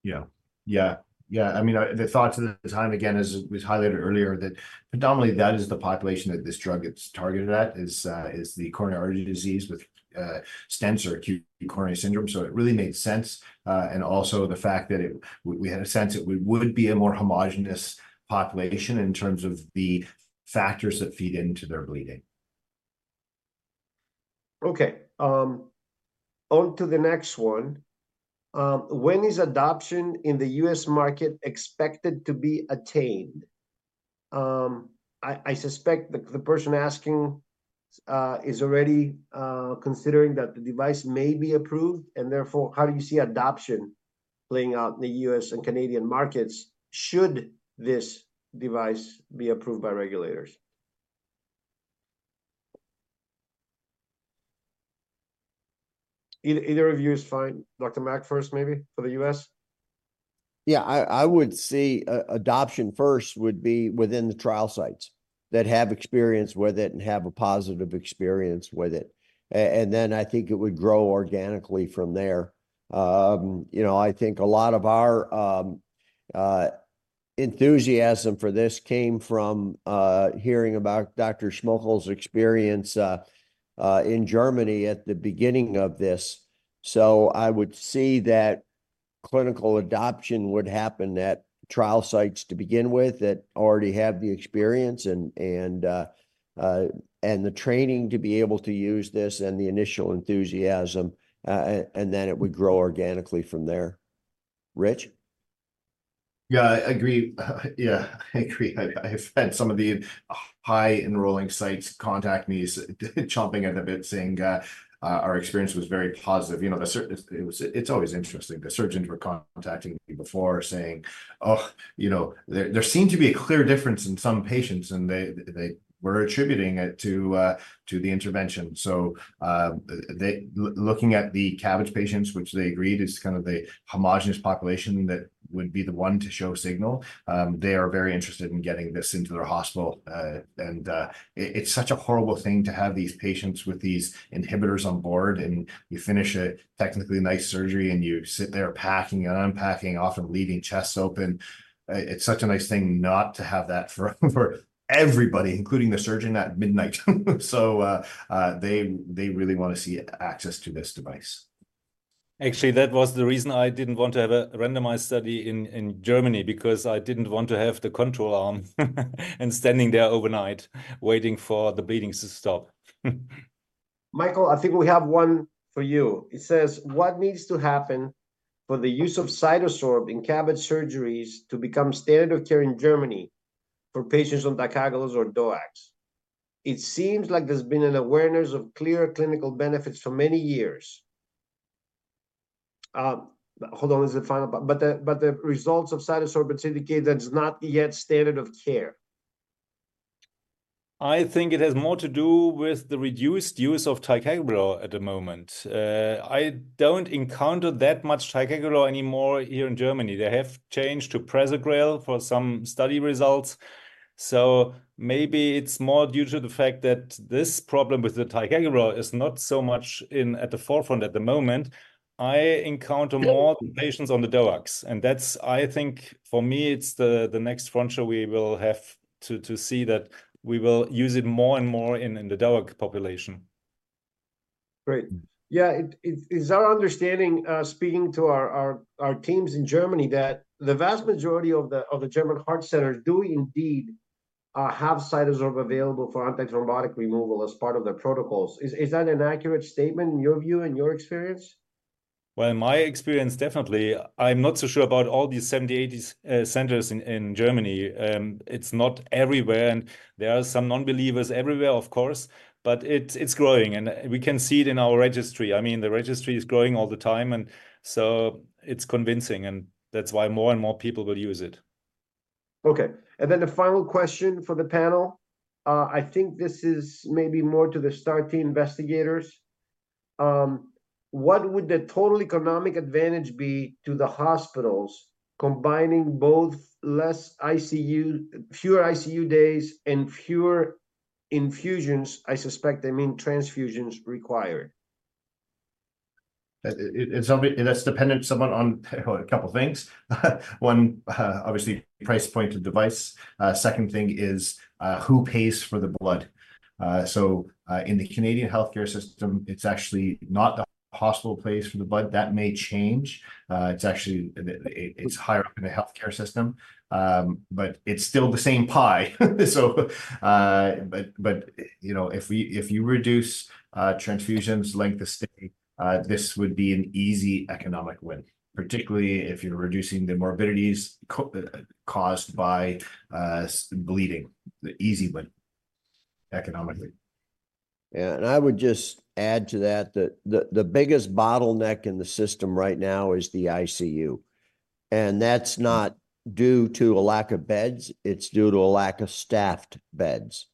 Yeah. Yeah, yeah. I mean, the thoughts at the time, again, as was highlighted earlier, that predominantly that is the population that this drug is targeted at, is, is the coronary artery disease with, stents or acute coronary syndrome, so it really made sense. And also the fact that it- we, we had a sense it would be a more homogeneous population in terms of the factors that feed into their bleeding. Okay, on to the next one. When is adoption in the US market expected to be attained? I suspect the person asking is already considering that the device may be approved, and therefore, how do you see adoption playing out in the US and Canadian markets should this device be approved by regulators? Either of you is fine. Dr. Mack first, maybe, for the US? Yeah, I would see adoption first would be within the trial sites that have experience with it and have a positive experience with it. And then I think it would grow organically from there. You know, I think a lot of our enthusiasm for this came from hearing about Dr. Schmoeckel's experience in Germany at the beginning of this. So I would see that clinical adoption would happen at trial sites to begin with, that already have the experience and the training to be able to use this and the initial enthusiasm, and then it would grow organically from there. Rich? Yeah, I agree. Yeah, I agree. I, I've had some of the high enrolling sites contact me chomping at the bit, saying, "Our experience was very positive." You know, it was- it's always interesting. The surgeons were contacting me before saying, "Ugh, you know, there, there seemed to be a clear difference in some patients," and they, they were attributing it to, to the intervention. So, looking at the CABG patients, which they agreed is kind of the homogenous population that would be the one to show signal They are very interested in getting this into their hospital. And, it, it's such a horrible thing to have these patients with these inhibitors on board, and you finish a technically nice surgery, and you sit there packing and unpacking, often leaving chests open. It's such a nice thing not to have that for everybody, including the surgeon at midnight. So, they really want to see access to this device. Actually, that was the reason I didn't want to have a randomized study in Germany because I didn't want to have the control arm and standing there overnight, waiting for the bleedings to stop. Michael, I think we have one for you. It says, "What needs to happen for the use of CytoSorb in CABG surgeries to become standard of care in Germany for patients on ticagrelor or DOACs? It seems like there's been an awareness of clear clinical benefits for many years." Hold on, there's the final part, "But the results of CytoSorbents indicate that it's not yet standard of care. I think it has more to do with the reduced use of ticagrelor at the moment. I don't encounter that much ticagrelor anymore here in Germany. They have changed to prasugrel for some study results, so maybe it's more due to the fact that this problem with the ticagrelor is not so much at the forefront at the moment. I encounter more patients on the DOACs, and that's, I think, for me, it's the next frontier we will have to see that we will use it more and more in the DOAC population. Great. Yeah, it's our understanding, speaking to our teams in Germany, that the vast majority of the German heart centers do indeed have CytoSorb available for antithrombotic removal as part of their protocols. Is that an accurate statement in your view and your experience? Well, in my experience, definitely. I'm not so sure about all these 70, 80 centers in Germany. It's not everywhere, and there are some non-believers everywhere, of course, but it's growing, and we can see it in our registry. I mean, the registry is growing all the time, and so it's convincing, and that's why more and more people will use it. Okay, and then the final question for the panel, I think this is maybe more to the STAR Team investigators. What would the total economic advantage be to the hospitals combining both less ICU, fewer ICU days and fewer infusions, I suspect they mean transfusions, required? And that's dependent somewhat on a couple things. One, obviously price point of device. Second thing is, who pays for the blood? So, in the Canadian healthcare system, it's actually not the hospital pays for the blood. That may change. It's actually, it's higher up in the healthcare system. But it's still the same pie. So, but, you know, if you reduce transfusions, length of stay, this would be an easy economic win, particularly if you're reducing the morbidities caused by bleeding. The easy win economically. Yeah, and I would just add to that, that the biggest bottleneck in the system right now is the ICU, and that's not due to a lack of beds, it's due to a lack of staffed beds.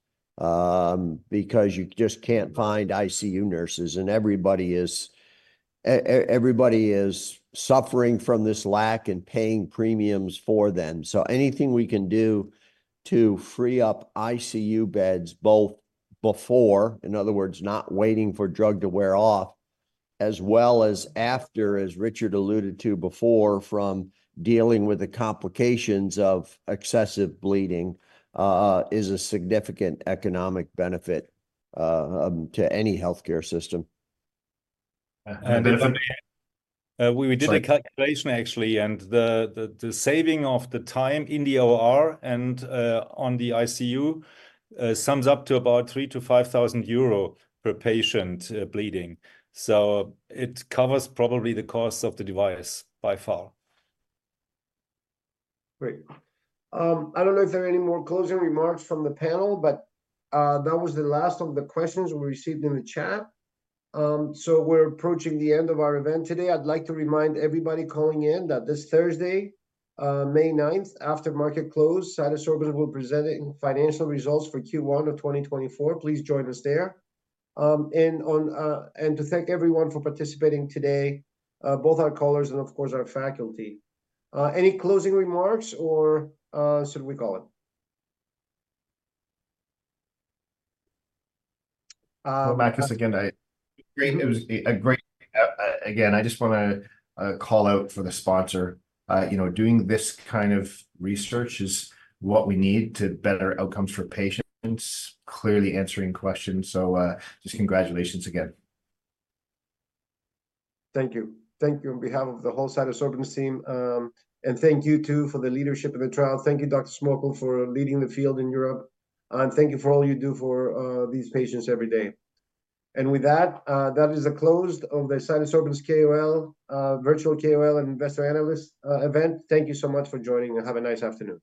Because you just can't find ICU nurses, and everybody is, everybody is suffering from this lack and paying premiums for them. So anything we can do to free up ICU beds, both before, in other words, not waiting for drug to wear off, as well as after, as Richard alluded to before, from dealing with the complications of excessive bleeding, is a significant economic benefit, to any healthcare system. And, uh And then We did the calculation actually, and the saving of the time in the OR and on the ICU sums up to about 3,000-5,000 euro per patient bleeding. So it covers probably the cost of the device by far. Great. I don't know if there are any more closing remarks from the panel, but that was the last of the questions we received in the chat. So we're approaching the end of our event today. I'd like to remind everybody calling in that this Thursday, May 9th, after market close, CytoSorbents will be presenting financial results for Q1 of 2024. Please join us there. And to thank everyone for participating today, both our callers and of course, our faculty. Any closing remarks or should we call it? Makis, again, it was great. Again, I just wanna call out for the sponsor. You know, doing this kind of research is what we need to better outcomes for patients, clearly answering questions. So, just congratulations again. Thank you. Thank you on behalf of the whole CytoSorbents team, and thank you, too, for the leadership in the trial. Thank you, Dr. Schmoeckel, for leading the field in Europe, and thank you for all you do for these patients every day. And with that, that is the close of the CytoSorbents KOL, virtual KOL and investor analyst event. Thank you so much for joining, and have a nice afternoon.